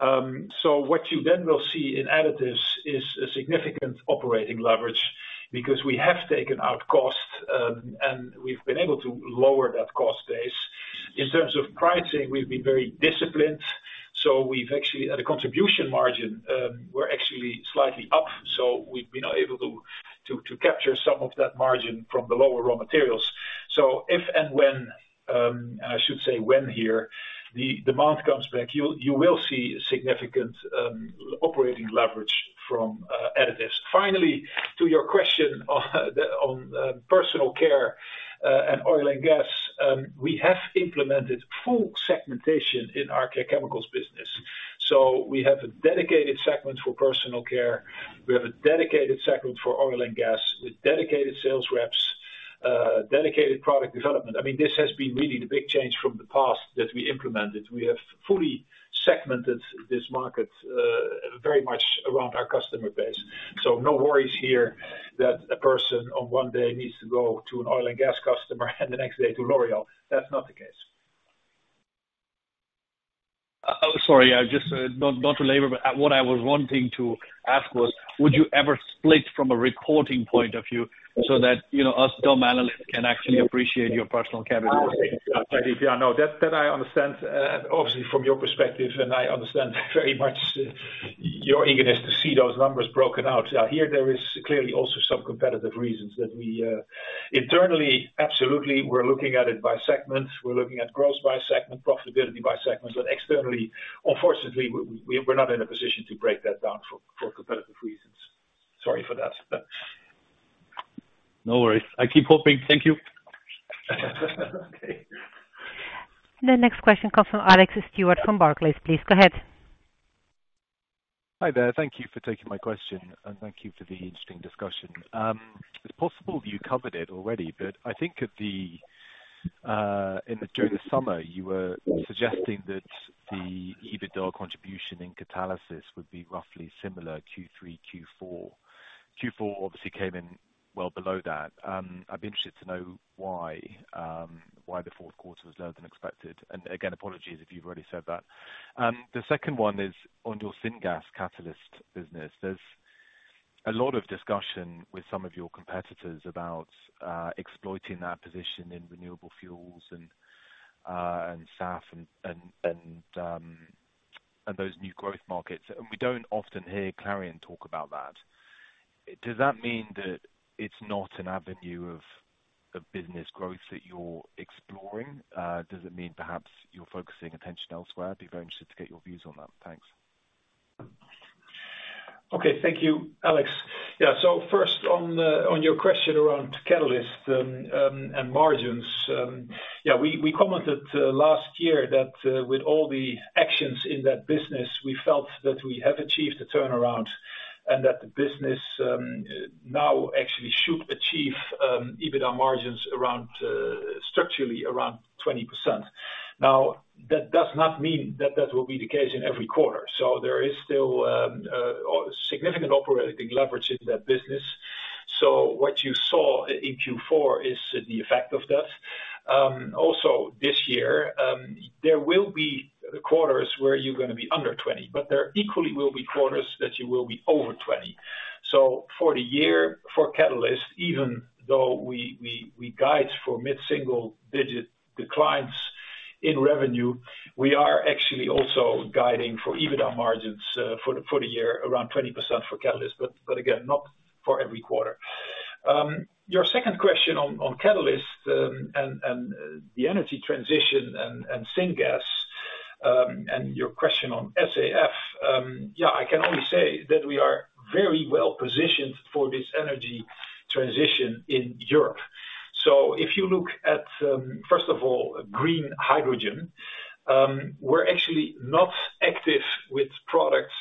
So what you then will see in Additives is a significant operating leverage because we have taken out cost, and we've been able to lower that cost base. In terms of pricing, we've been very disciplined. So at a contribution margin, we're actually slightly up. So we've been able to capture some of that margin from the lower raw materials. So if and when and I should say when here, the demand comes back, you will see significant operating leverage from Additives. Finally, to your question on Personal Care and oil and gas, we have implemented full segmentation in our Care Chemicals business. So we have a dedicated segment for Personal Care. We have a dedicated segment for oil and gas with dedicated sales reps, dedicated product development. I mean, this has been really the big change from the past that we implemented. We have fully segmented this market very much around our customer base. So no worries here that a person on one day needs to go to an oil and gas customer and the next day to L'Oréal. That's not the case. Sorry, just not to labor, but what I was wanting to ask was, would you ever split from a reporting point of view so that us dumb analysts can actually appreciate your personal capital? Jaydeep, yeah, no, that I understand. Obviously, from your perspective, and I understand very much your eagerness to see those numbers broken out. Here, there is clearly also some competitive reasons that we internally, absolutely, we're looking at it by segments. We're looking at growth by segment, profitability by segments. But externally, unfortunately, we're not in a position to break that down for competitive reasons. Sorry for that. No worries. I keep hoping. Thank you. Okay. The next question comes from Alex Stewart from Barclays. Please go ahead. Hi there. Thank you for taking my question, and thank you for the interesting discussion. It's possible you covered it already, but I think during the summer, you were suggesting that the EBITDA contribution in Catalysis would be roughly similar Q3, Q4. Q4, obviously, came in well below that. I'd be interested to know why the fourth quarter was lower than expected. And again, apologies if you've already said that. The second one is on your syngas catalyst business. There's a lot of discussion with some of your competitors about exploiting that position in renewable fuels and SAF and those new growth markets. And we don't often hear Clariant talk about that. Does that mean that it's not an avenue of business growth that you're exploring? Does it mean perhaps you're focusing attention elsewhere? I'd be very interested to get your views on that. Thanks. Okay. Thank you, Alex. Yeah. So first, on your question around catalysts and margins, yeah, we commented last year that with all the actions in that business, we felt that we have achieved a turnaround and that the business now actually should achieve EBITDA margins structurally around 20%. Now, that does not mean that that will be the case in every quarter. So there is still significant operating leverage in that business. So what you saw in Q4 is the effect of that. Also, this year, there will be quarters where you're going to be under 20, but there equally will be quarters that you will be over 20. So for the year, for Catalysts, even though we guide for mid-single digit declines in revenue, we are actually also guiding for EBITDA margins for the year around 20% for Catalysts. But again, not for every quarter. Your second question on Catalysts and the energy transition and syngas and your question on SAF, yeah, I can only say that we are very well-positioned for this energy transition in Europe. So if you look at, first of all, green hydrogen, we're actually not active with products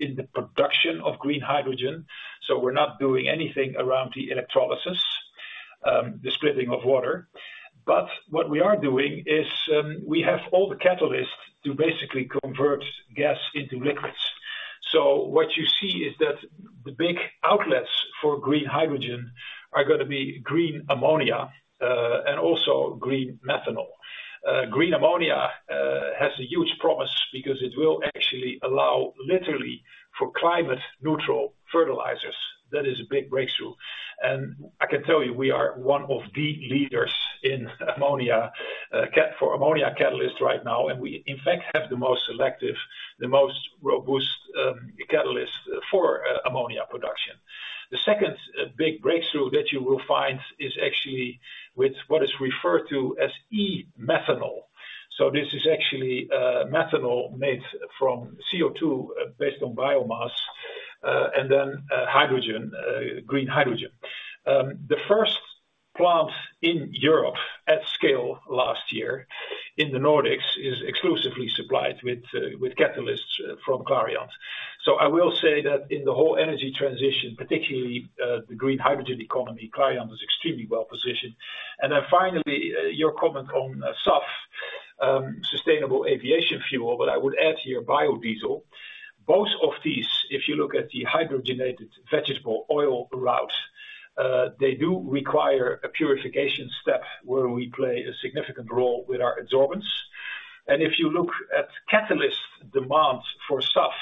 in the production of green hydrogen. So we're not doing anything around the electrolysis, the splitting of water. But what we are doing is we have all the catalysts to basically convert gas into liquids. What you see is that the big outlets for green hydrogen are going to be green ammonia and also green methanol. Green ammonia has a huge promise because it will actually allow, literally, for climate-neutral fertilizers. That is a big breakthrough. I can tell you, we are one of the leaders in ammonia for ammonia catalysts right now. We, in fact, have the most selective, the most robust catalyst for ammonia production. The second big breakthrough that you will find is actually with what is referred to as e-methanol. This is actually methanol made from CO2 based on biomass and then green hydrogen. The first plant in Europe at scale last year in the Nordics is exclusively supplied with catalysts from Clariant. I will say that in the whole energy transition, particularly the green hydrogen economy, Clariant is extremely well-positioned. And then finally, your comment on SAF, sustainable aviation fuel, but I would add here biodiesel. Both of these, if you look at the hydrogenated vegetable oil route, they do require a purification step where we play a significant role with our adsorbents. And if you look at catalyst demand for SAF,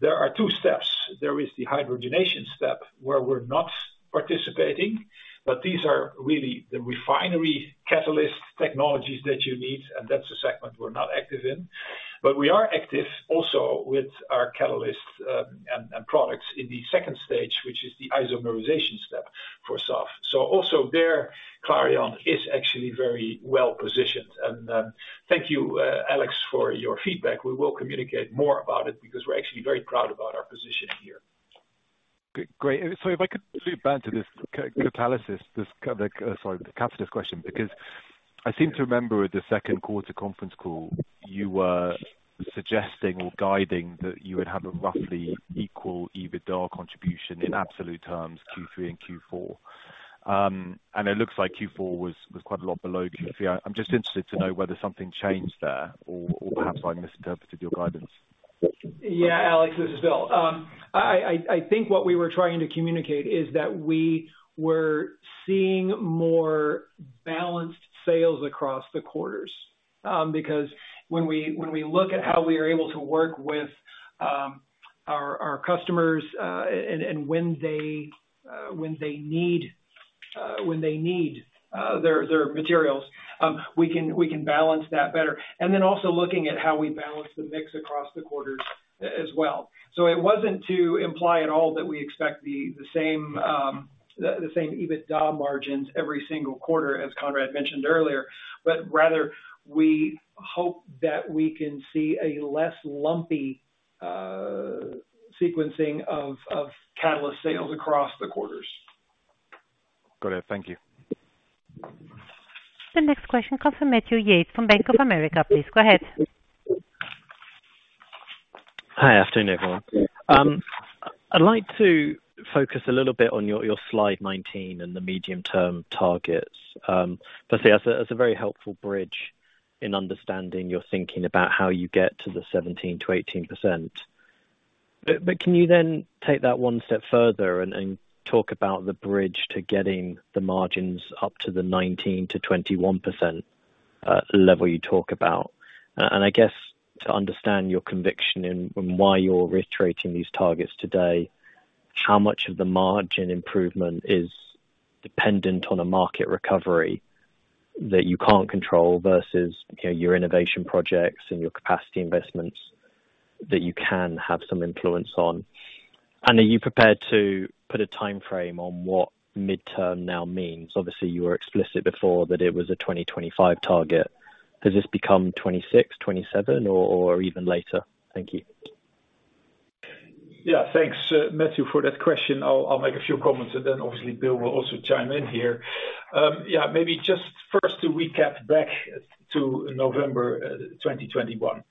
there are two steps. There is the hydrogenation step where we're not participating, but these are really the refinery catalyst technologies that you need. And that's a segment we're not active in. But we are active also with our catalysts and products in the second stage, which is the isomerization step for SAF. So also there, Clariant is actually very well-positioned. And thank you, Alex, for your feedback. We will communicate more about it because we're actually very proud about our position here. Great. So if I could loop back to this catalysis sorry, the catalyst question, because I seem to remember at the second quarter conference call, you were suggesting or guiding that you would have a roughly equal EBITDA contribution in absolute terms Q3 and Q4. And it looks like Q4 was quite a lot below Q3. I'm just interested to know whether something changed there or perhaps I misinterpreted your guidance. Yeah, Alex, this is Bill. I think what we were trying to communicate is that we were seeing more balanced sales across the quarters because when we look at how we are able to work with our customers and when they need their materials, we can balance that better. And then also looking at how we balance the mix across the quarters as well. So it wasn't to imply at all that we expect the same EBITDA margins every single quarter, as Conrad mentioned earlier, but rather we hope that we can see a less lumpy sequencing of catalyst sales across the quarters. Got it. Thank you. The next question comes from Matthew Yates from Bank of America. Please go ahead. Hi. Afternoon, everyone. I'd like to focus a little bit on your slide 19 and the medium-term targets. Firstly, that's a very helpful bridge in understanding your thinking about how you get to the 17%-18%. But can you then take that one step further and talk about the bridge to getting the margins up to the 19%-21% level you talk about? I guess to understand your conviction and why you're reiterating these targets today, how much of the margin improvement is dependent on a market recovery that you can't control versus your innovation projects and your capacity investments that you can have some influence on? And are you prepared to put a timeframe on what midterm now means? Obviously, you were explicit before that it was a 2025 target. Has this become 2026, 2027, or even later? Thank you. Yeah. Thanks, Matthew, for that question. I'll make a few comments, and then obviously, Bill will also chime in here. Yeah, maybe just first to recap back to November 2021.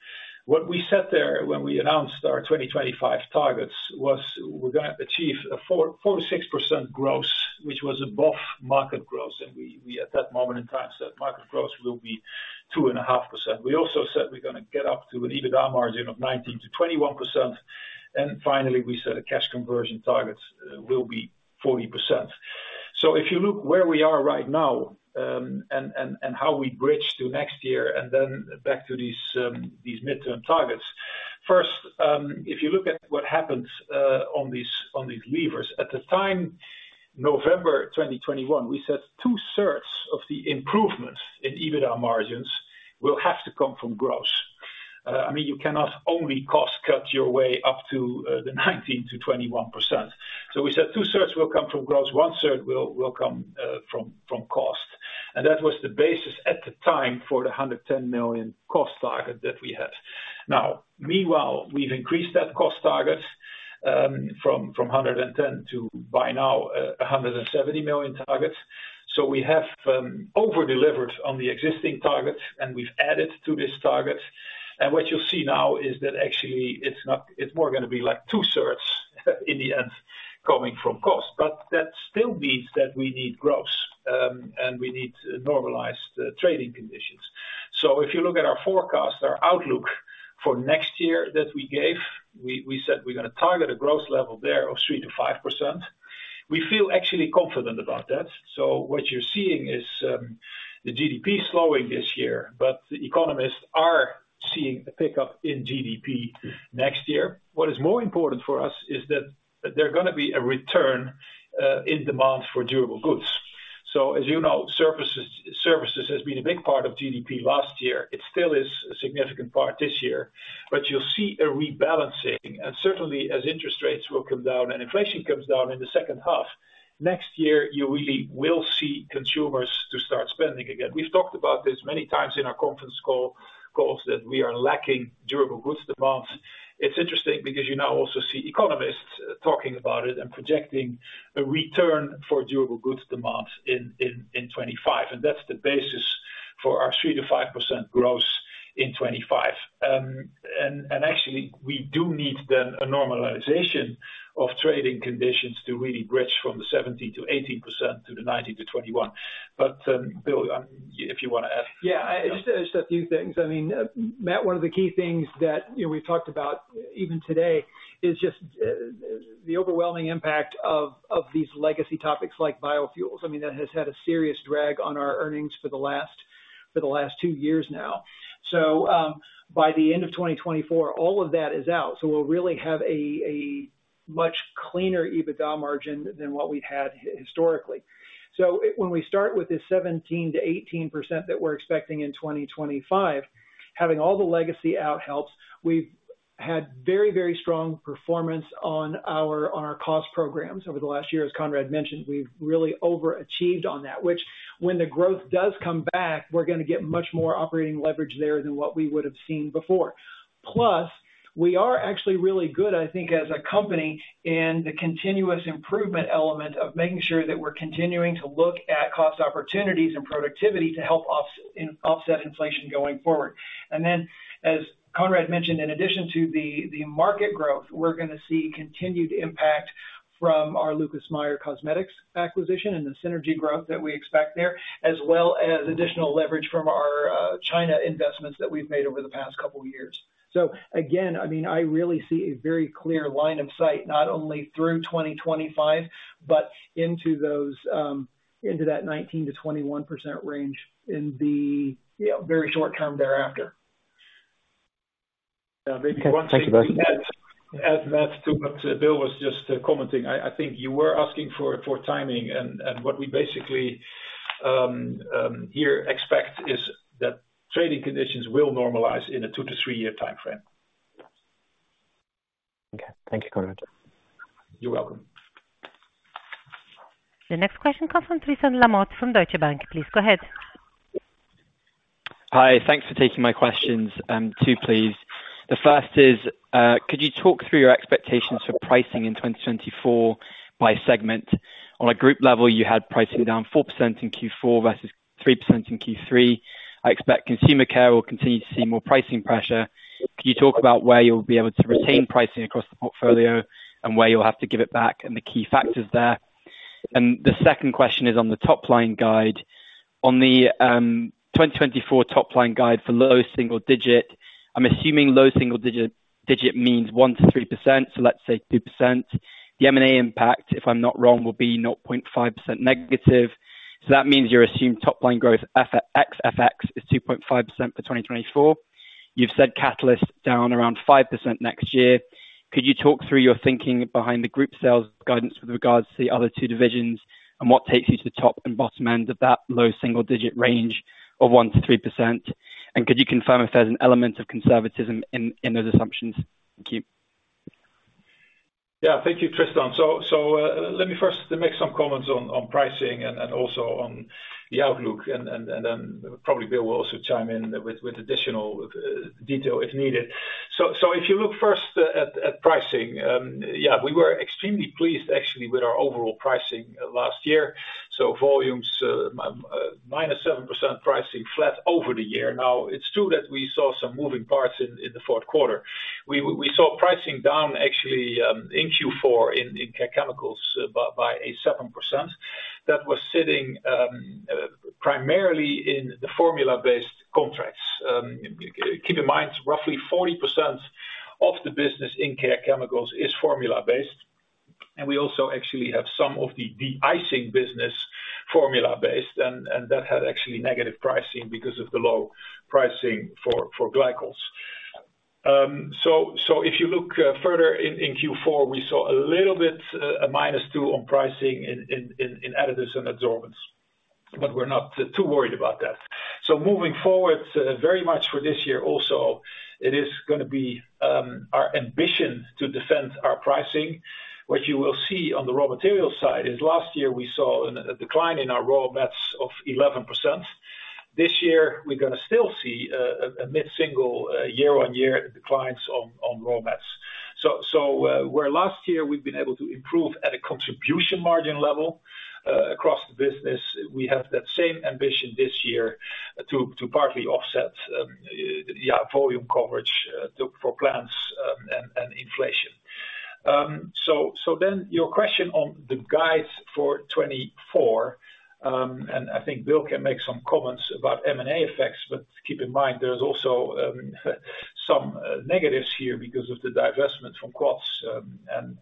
What we set there when we announced our 2025 targets was we're going to achieve a 4%-6% growth, which was above market growth. We, at that moment in time, said market growth will be 2.5%. We also said we're going to get up to an EBITDA margin of 19%-21%. And finally, we said the cash conversion targets will be 40%. So if you look where we are right now and how we bridge to next year and then back to these midterm targets, first, if you look at what happened on these levers, at the time, November 2021, we said two thirds of the improvements in EBITDA margins will have to come from growth. I mean, you cannot only cost-cut your way up to the 19%-21%. So we said two thirds will come from growth, one third will come from cost. And that was the basis at the time for the 110 million cost target that we had. Now, meanwhile, we've increased that cost target from 110 million to, by now, 170 million targets. So we have overdelivered on the existing targets, and we've added to this target. And what you'll see now is that actually, it's more going to be like two thirds in the end coming from cost. But that still means that we need growth, and we need normalized trading conditions. So if you look at our forecast, our outlook for next year that we gave, we said we're going to target a growth level there of 3%-5%. We feel actually confident about that. So what you're seeing is the GDP slowing this year, but the economists are seeing a pickup in GDP next year. What is more important for us is that there's going to be a return in demand for durable goods. So as you know, services have been a big part of GDP last year. It still is a significant part this year. But you'll see a rebalancing. And certainly, as interest rates will come down and inflation comes down in the second half next year, you really will see consumers to start spending again. We've talked about this many times in our conference calls that we are lacking durable goods demands. It's interesting because you now also see economists talking about it and projecting a return for durable goods demands in 2025. And that's the basis for our 3%-5% growth in 2025. And actually, we do need then a normalization of trading conditions to really bridge from the 17%-18% to the 19%-21%. But Bill, if you want to add. Yeah, just a few things. I mean, Matt, one of the key things that we've talked about even today is just the overwhelming impact of these legacy topics like biofuels. I mean, that has had a serious drag on our earnings for the last two years now. So by the end of 2024, all of that is out. So we'll really have a much cleaner EBITDA margin than what we've had historically. So when we start with this 17%-18% that we're expecting in 2025, having all the legacy out helps. We've had very, very strong performance on our cost programs over the last year. As Conrad mentioned, we've really overachieved on that, which when the growth does come back, we're going to get much more operating leverage there than what we would have seen before. Plus, we are actually really good, I think, as a company in the continuous improvement element of making sure that we're continuing to look at cost opportunities and productivity to help offset inflation going forward. And then as Conrad mentioned, in addition to the market growth, we're going to see continued impact from our Lucas Meyer Cosmetics acquisition and the synergy growth that we expect there, as well as additional leverage from our China investments that we've made over the past couple of years. So again, I mean, I really see a very clear line of sight not only through 2025 but into that 19%-21% range in the very short term thereafter. Yeah, maybe one thing that's too much that Bill was just commenting. I think you were asking for timing. What we basically here expect is that trading conditions will normalize in a two- to three-year timeframe. Okay. Thank you, Conrad. You're welcome. The next question comes from Tristan Lamotte from Deutsche Bank.Please go ahead. Hi. Thanks for taking my questions too, please. The first is, could you talk through your expectations for pricing in 2024 by segment? On a group level, you had pricing down 4% in Q4 versus 3% in Q3. I expect consumer care will continue to see more pricing pressure. Could you talk about where you'll be able to retain pricing across the portfolio and where you'll have to give it back and the key factors there? And the second question is on the top-line guide. On the 2024 top-line guide for low single digit, I'm assuming low single digit means 1%-3%. So let's say 2%. The M&A impact, if I'm not wrong, will be 0.5% negative. So that means your assumed top-line growth FX is 2.5% for 2024. You've said Catalysts down around 5% next year. Could you talk through your thinking behind the group sales guidance with regards to the other two divisions and what takes you to the top and bottom end of that low single-digit range of 1%-3%? And could you confirm if there's an element of conservatism in those assumptions? Thank you. Yeah. Thank you, Tristan. So let me first make some comments on pricing and also on the outlook. And then probably Bill will also chime in with additional detail if needed. So if you look first at pricing, yeah, we were extremely pleased, actually, with our overall pricing last year. So volumes, minus 7% pricing flat over the year. Now, it's true that we saw some moving parts in the fourth quarter. We saw pricing down, actually, in Q4 in Care Chemicals by 7%. That was sitting primarily in the formula-based contracts. Keep in mind, roughly 40% of the business in Care Chemicals is formula-based. And we also actually have some of the de-icing business formula-based. And that had actually negative pricing because of the low pricing for glycols. So if you look further in Q4, we saw a little bit a -2 on pricing in additives and adsorbents. But we're not too worried about that. So moving forward very much for this year also, it is going to be our ambition to defend our pricing. What you will see on the raw materials side is last year, we saw a decline in our raw mats of 11%. This year, we're going to still see a mid-single year-on-year declines on raw mats. So where last year, we've been able to improve at a contribution margin level across the business, we have that same ambition this year to partly offset, yeah, volume coverage for plants and inflation. So then your question on the guides for 2024, and I think Bill can make some comments about M&A effects, but keep in mind, there's also some negatives here because of the divestment from Quats and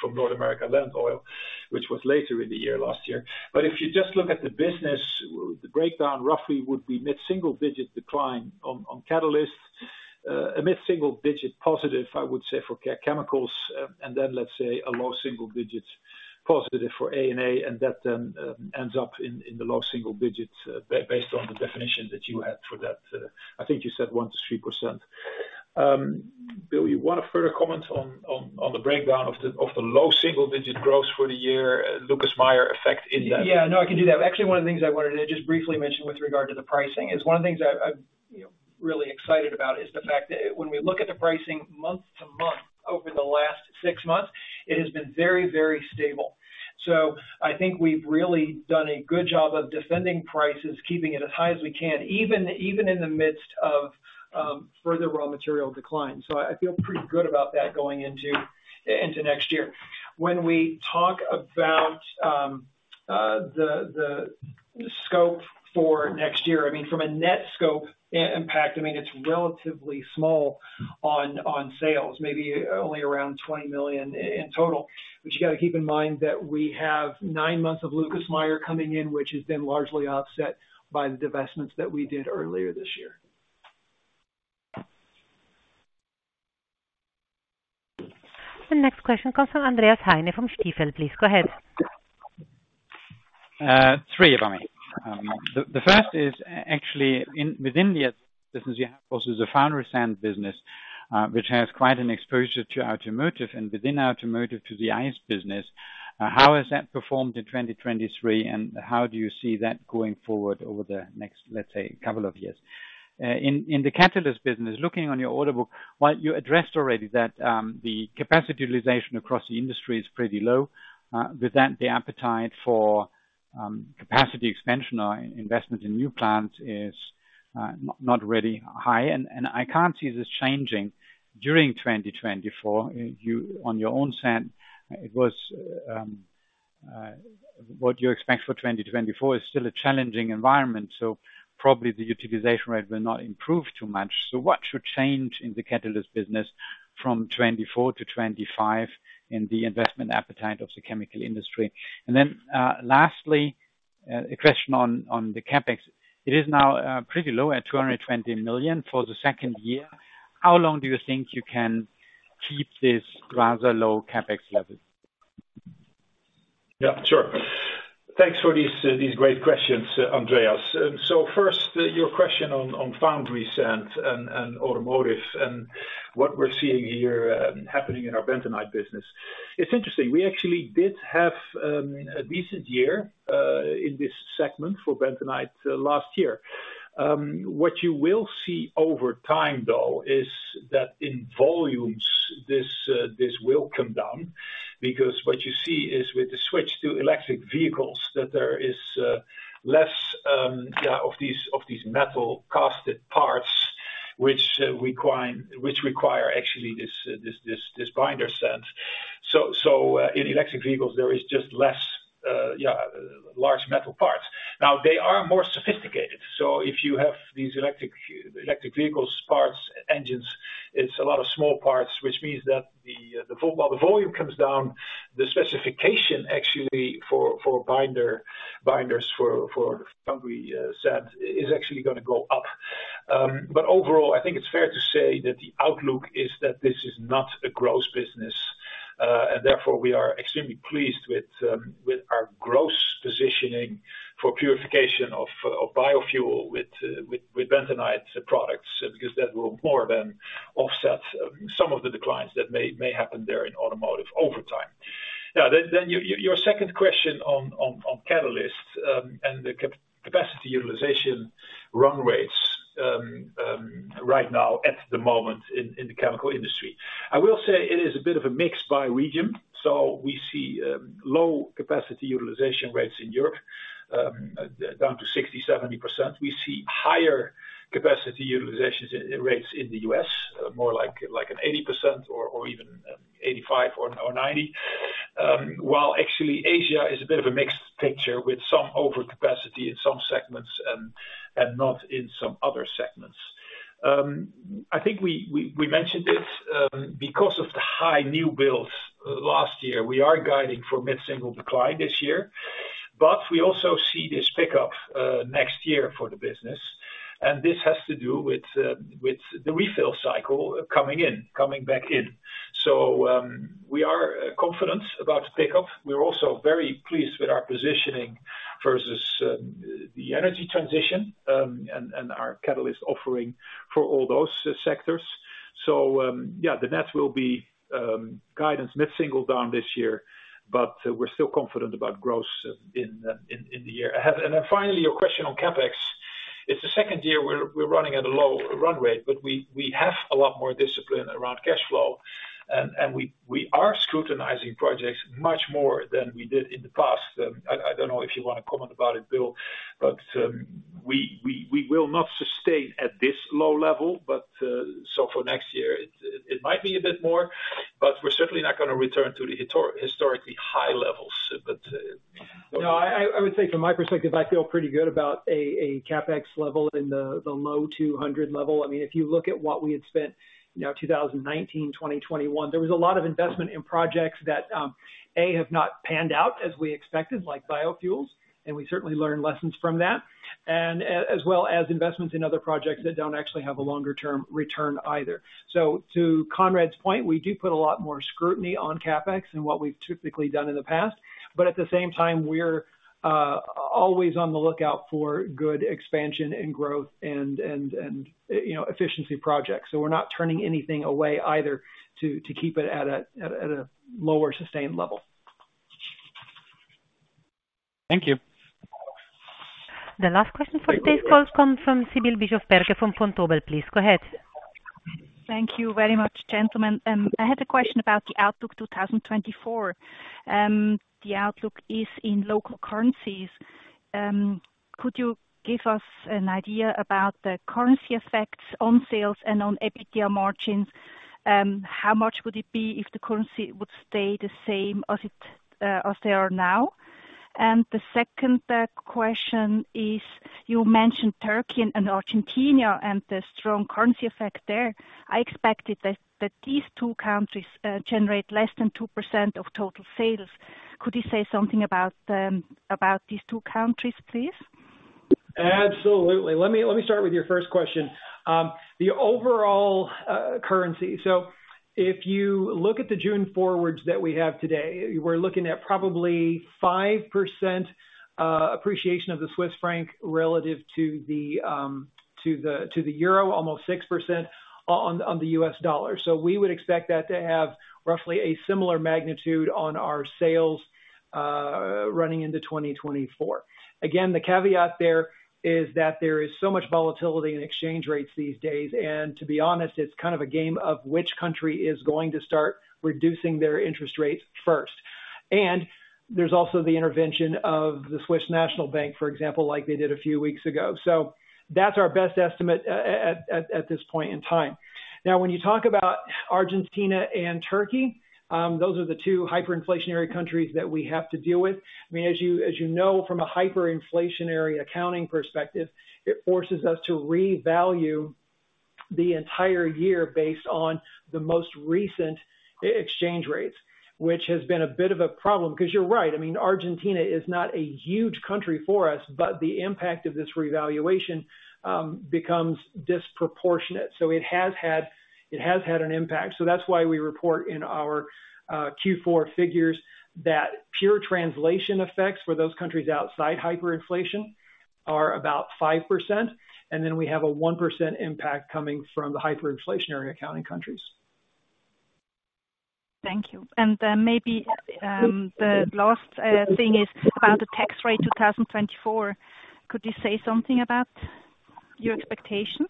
from North America Land Oil, which was later in the year last year. But if you just look at the business, the breakdown roughly would be mid-single digit decline on catalyst, a mid-single digit positive, I would say, for Care Chemicals, and then let's say a low single digit positive for A&A. That then ends up in the low single-digit based on the definition that you had for that. I think you said 1%-3%. Bill, you want to further comment on the breakdown of the low single-digit growth for the year, Lucas Meyer effect in that? Yeah. No, I can do that. Actually, one of the things I wanted to just briefly mention with regard to the pricing is one of the things I'm really excited about is the fact that when we look at the pricing month-to-month over the last six months, it has been very, very stable. So I think we've really done a good job of defending prices, keeping it as high as we can, even in the midst of further raw material decline. So I feel pretty good about that going into next year. When we talk about the scope for next year, I mean, from a net scope impact, I mean, it's relatively small on sales, maybe only around 20 million in total. But you got to keep in mind that we have nine months of Lucas Meyer coming in, which has been largely offset by the divestments that we did earlier this year. The next question comes from Andreas Heine from Stifel. Please go ahead. Three, if I may. The first is actually within the business, you have also the foundry sand business, which has quite an exposure to automotive and within automotive to the ICE business. How has that performed in 2023, and how do you see that going forward over the next, let's say, couple of years? In the catalyst business, looking on your order book, well, you addressed already that the capacity utilization across the industry is pretty low. With that, the appetite for capacity expansion or investment in new plants is not really high. And I can't see this changing during 2024. On foundry sand, what you expect for 2024 is still a challenging environment. So probably the utilization rate will not improve too much. So what should change in the catalyst business from 2024 to 2025 in the investment appetite of the chemical industry? And then lastly, a question on the CapEx. It is now pretty low at 220 million for the second year. How long do you think you can keep this rather low CapEx level? Yeah. Sure. Thanks for these great questions, Andreas. So first, your question on foundry sand and automotive and what we're seeing here happening in our bentonite business. It's interesting. We actually did have a decent year in this segment for bentonite last year. What you will see over time, though, is that in volumes, this will come down because what you see is with the switch to electric vehicles that there is less, yeah, of these metal cast parts, which require actually this binder sand. So in electric vehicles, there is just less, yeah, large metal parts. Now, they are more sophisticated. So if you have these electric vehicles parts, engines, it's a lot of small parts, which means that while the volume comes down, the specification actually for binders for foundry sand is actually going to go up. But overall, I think it's fair to say that the outlook is that this is not a growth business. And therefore, we are extremely pleased with our strong positioning for purification of biofuel with bentonite products because that will more than offset some of the declines that may happen there in automotive over time. Yeah. Then your second question on catalyst and the capacity utilization run rates right now at the moment in the chemical industry. I will say it is a bit of a mix by region. So we see low capacity utilization rates in Europe down to 60%-70%. We see higher capacity utilization rates in the U.S., more like an 80% or even 85% or 90%, while actually Asia is a bit of a mixed picture with some overcapacity in some segments and not in some other segments. I think we mentioned this because of the high new builds last year. We are guiding for mid-single decline this year. But we also see this pickup next year for the business. And this has to do with the refill cycle coming back in. So we are confident about the pickup. We're also very pleased with our positioning versus the energy transition and our catalyst offering for all those sectors. So yeah, the net will be guidance mid-single down this year, but we're still confident about growth in the year. And then finally, your question on CapEx. It's the second year we're running at a low run rate, but we have a lot more discipline around cash flow. And we are scrutinizing projects much more than we did in the past. I don't know if you want to comment about it, Bill, but we will not sustain at this low level. So for next year, it might be a bit more, but we're certainly not going to return to the historically high levels. But no, I would say from my perspective, I feel pretty good about a CapEx level in the low 200 level. I mean, if you look at what we had spent now, 2019, 2021, there was a lot of investment in projects that, A, have not panned out as we expected, like biofuels. And we certainly learned lessons from that, as well as investments in other projects that don't actually have a longer-term return either. So to Conrad's point, we do put a lot more scrutiny on CapEx than what we've typically done in the past. But at the same time, we're always on the lookout for good expansion and growth and efficiency projects. So we're not turning anything away either to keep it at a lower sustained level. Thank you. The last question for today's call comes from Sibylle Bischofberger from Vontobel. Please go ahead. Thank you very much, gentlemen. I had a question about the outlook 2024. The outlook is in local currencies. Could you give us an idea about the currency effects on sales and on EBITDA margins? How much would it be if the currency would stay the same as they are now? And the second question is, you mentioned Turkey and Argentina and the strong currency effect there. I expected that these two countries generate less than 2% of total sales. Could you say something about these two countries, please? Absolutely. Let me start with your first question, the overall currency. So if you look at the June forwards that we have today, we're looking at probably 5% appreciation of the Swiss franc relative to the euro, almost 6% on the U.S. dollar. So we would expect that to have roughly a similar magnitude on our sales running into 2024. Again, the caveat there is that there is so much volatility in exchange rates these days. To be honest, it's kind of a game of which country is going to start reducing their interest rates first. And there's also the intervention of the Swiss National Bank, for example, like they did a few weeks ago. So that's our best estimate at this point in time. Now, when you talk about Argentina and Turkey, those are the two hyperinflationary countries that we have to deal with. I mean, as you know, from a hyperinflationary accounting perspective, it forces us to revalue the entire year based on the most recent exchange rates, which has been a bit of a problem because you're right. I mean, Argentina is not a huge country for us, but the impact of this revaluation becomes disproportionate. So it has had an impact. So that's why we report in our Q4 figures that pure translation effects for those countries outside hyperinflation are about 5%. And then we have a 1% impact coming from the hyperinflationary accounting countries. Thank you. And then maybe the last thing is about the tax rate 2024. Could you say something about your expectations?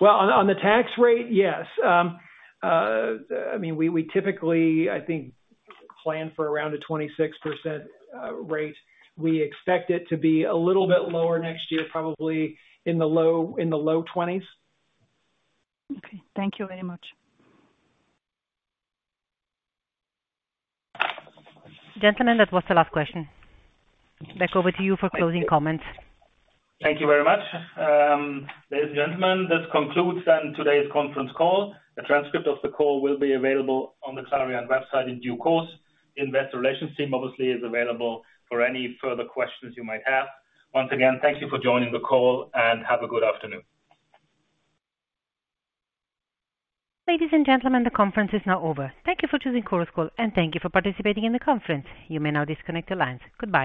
Well, on the tax rate, yes. I mean, we typically, I think, plan for around a 26% rate. We expect it to be a little bit lower next year, probably in the low 20s. Okay. Thank you very much. Gentlemen, that was the last question. Back over to you for closing comments. Thank you very much. Ladies and gentlemen, this concludes then today's conference call. A transcript of the call will be available on the Clariant website in due course. The investor relations team, obviously, is available for any further questions you might have. Once again, thank you for joining the call, and have a good afternoon. Ladies and gentlemen, the conference is now over. Thank you for choosing Chorus Call, and thank you for participating in the conference. You may now disconnect the lines. Goodbye.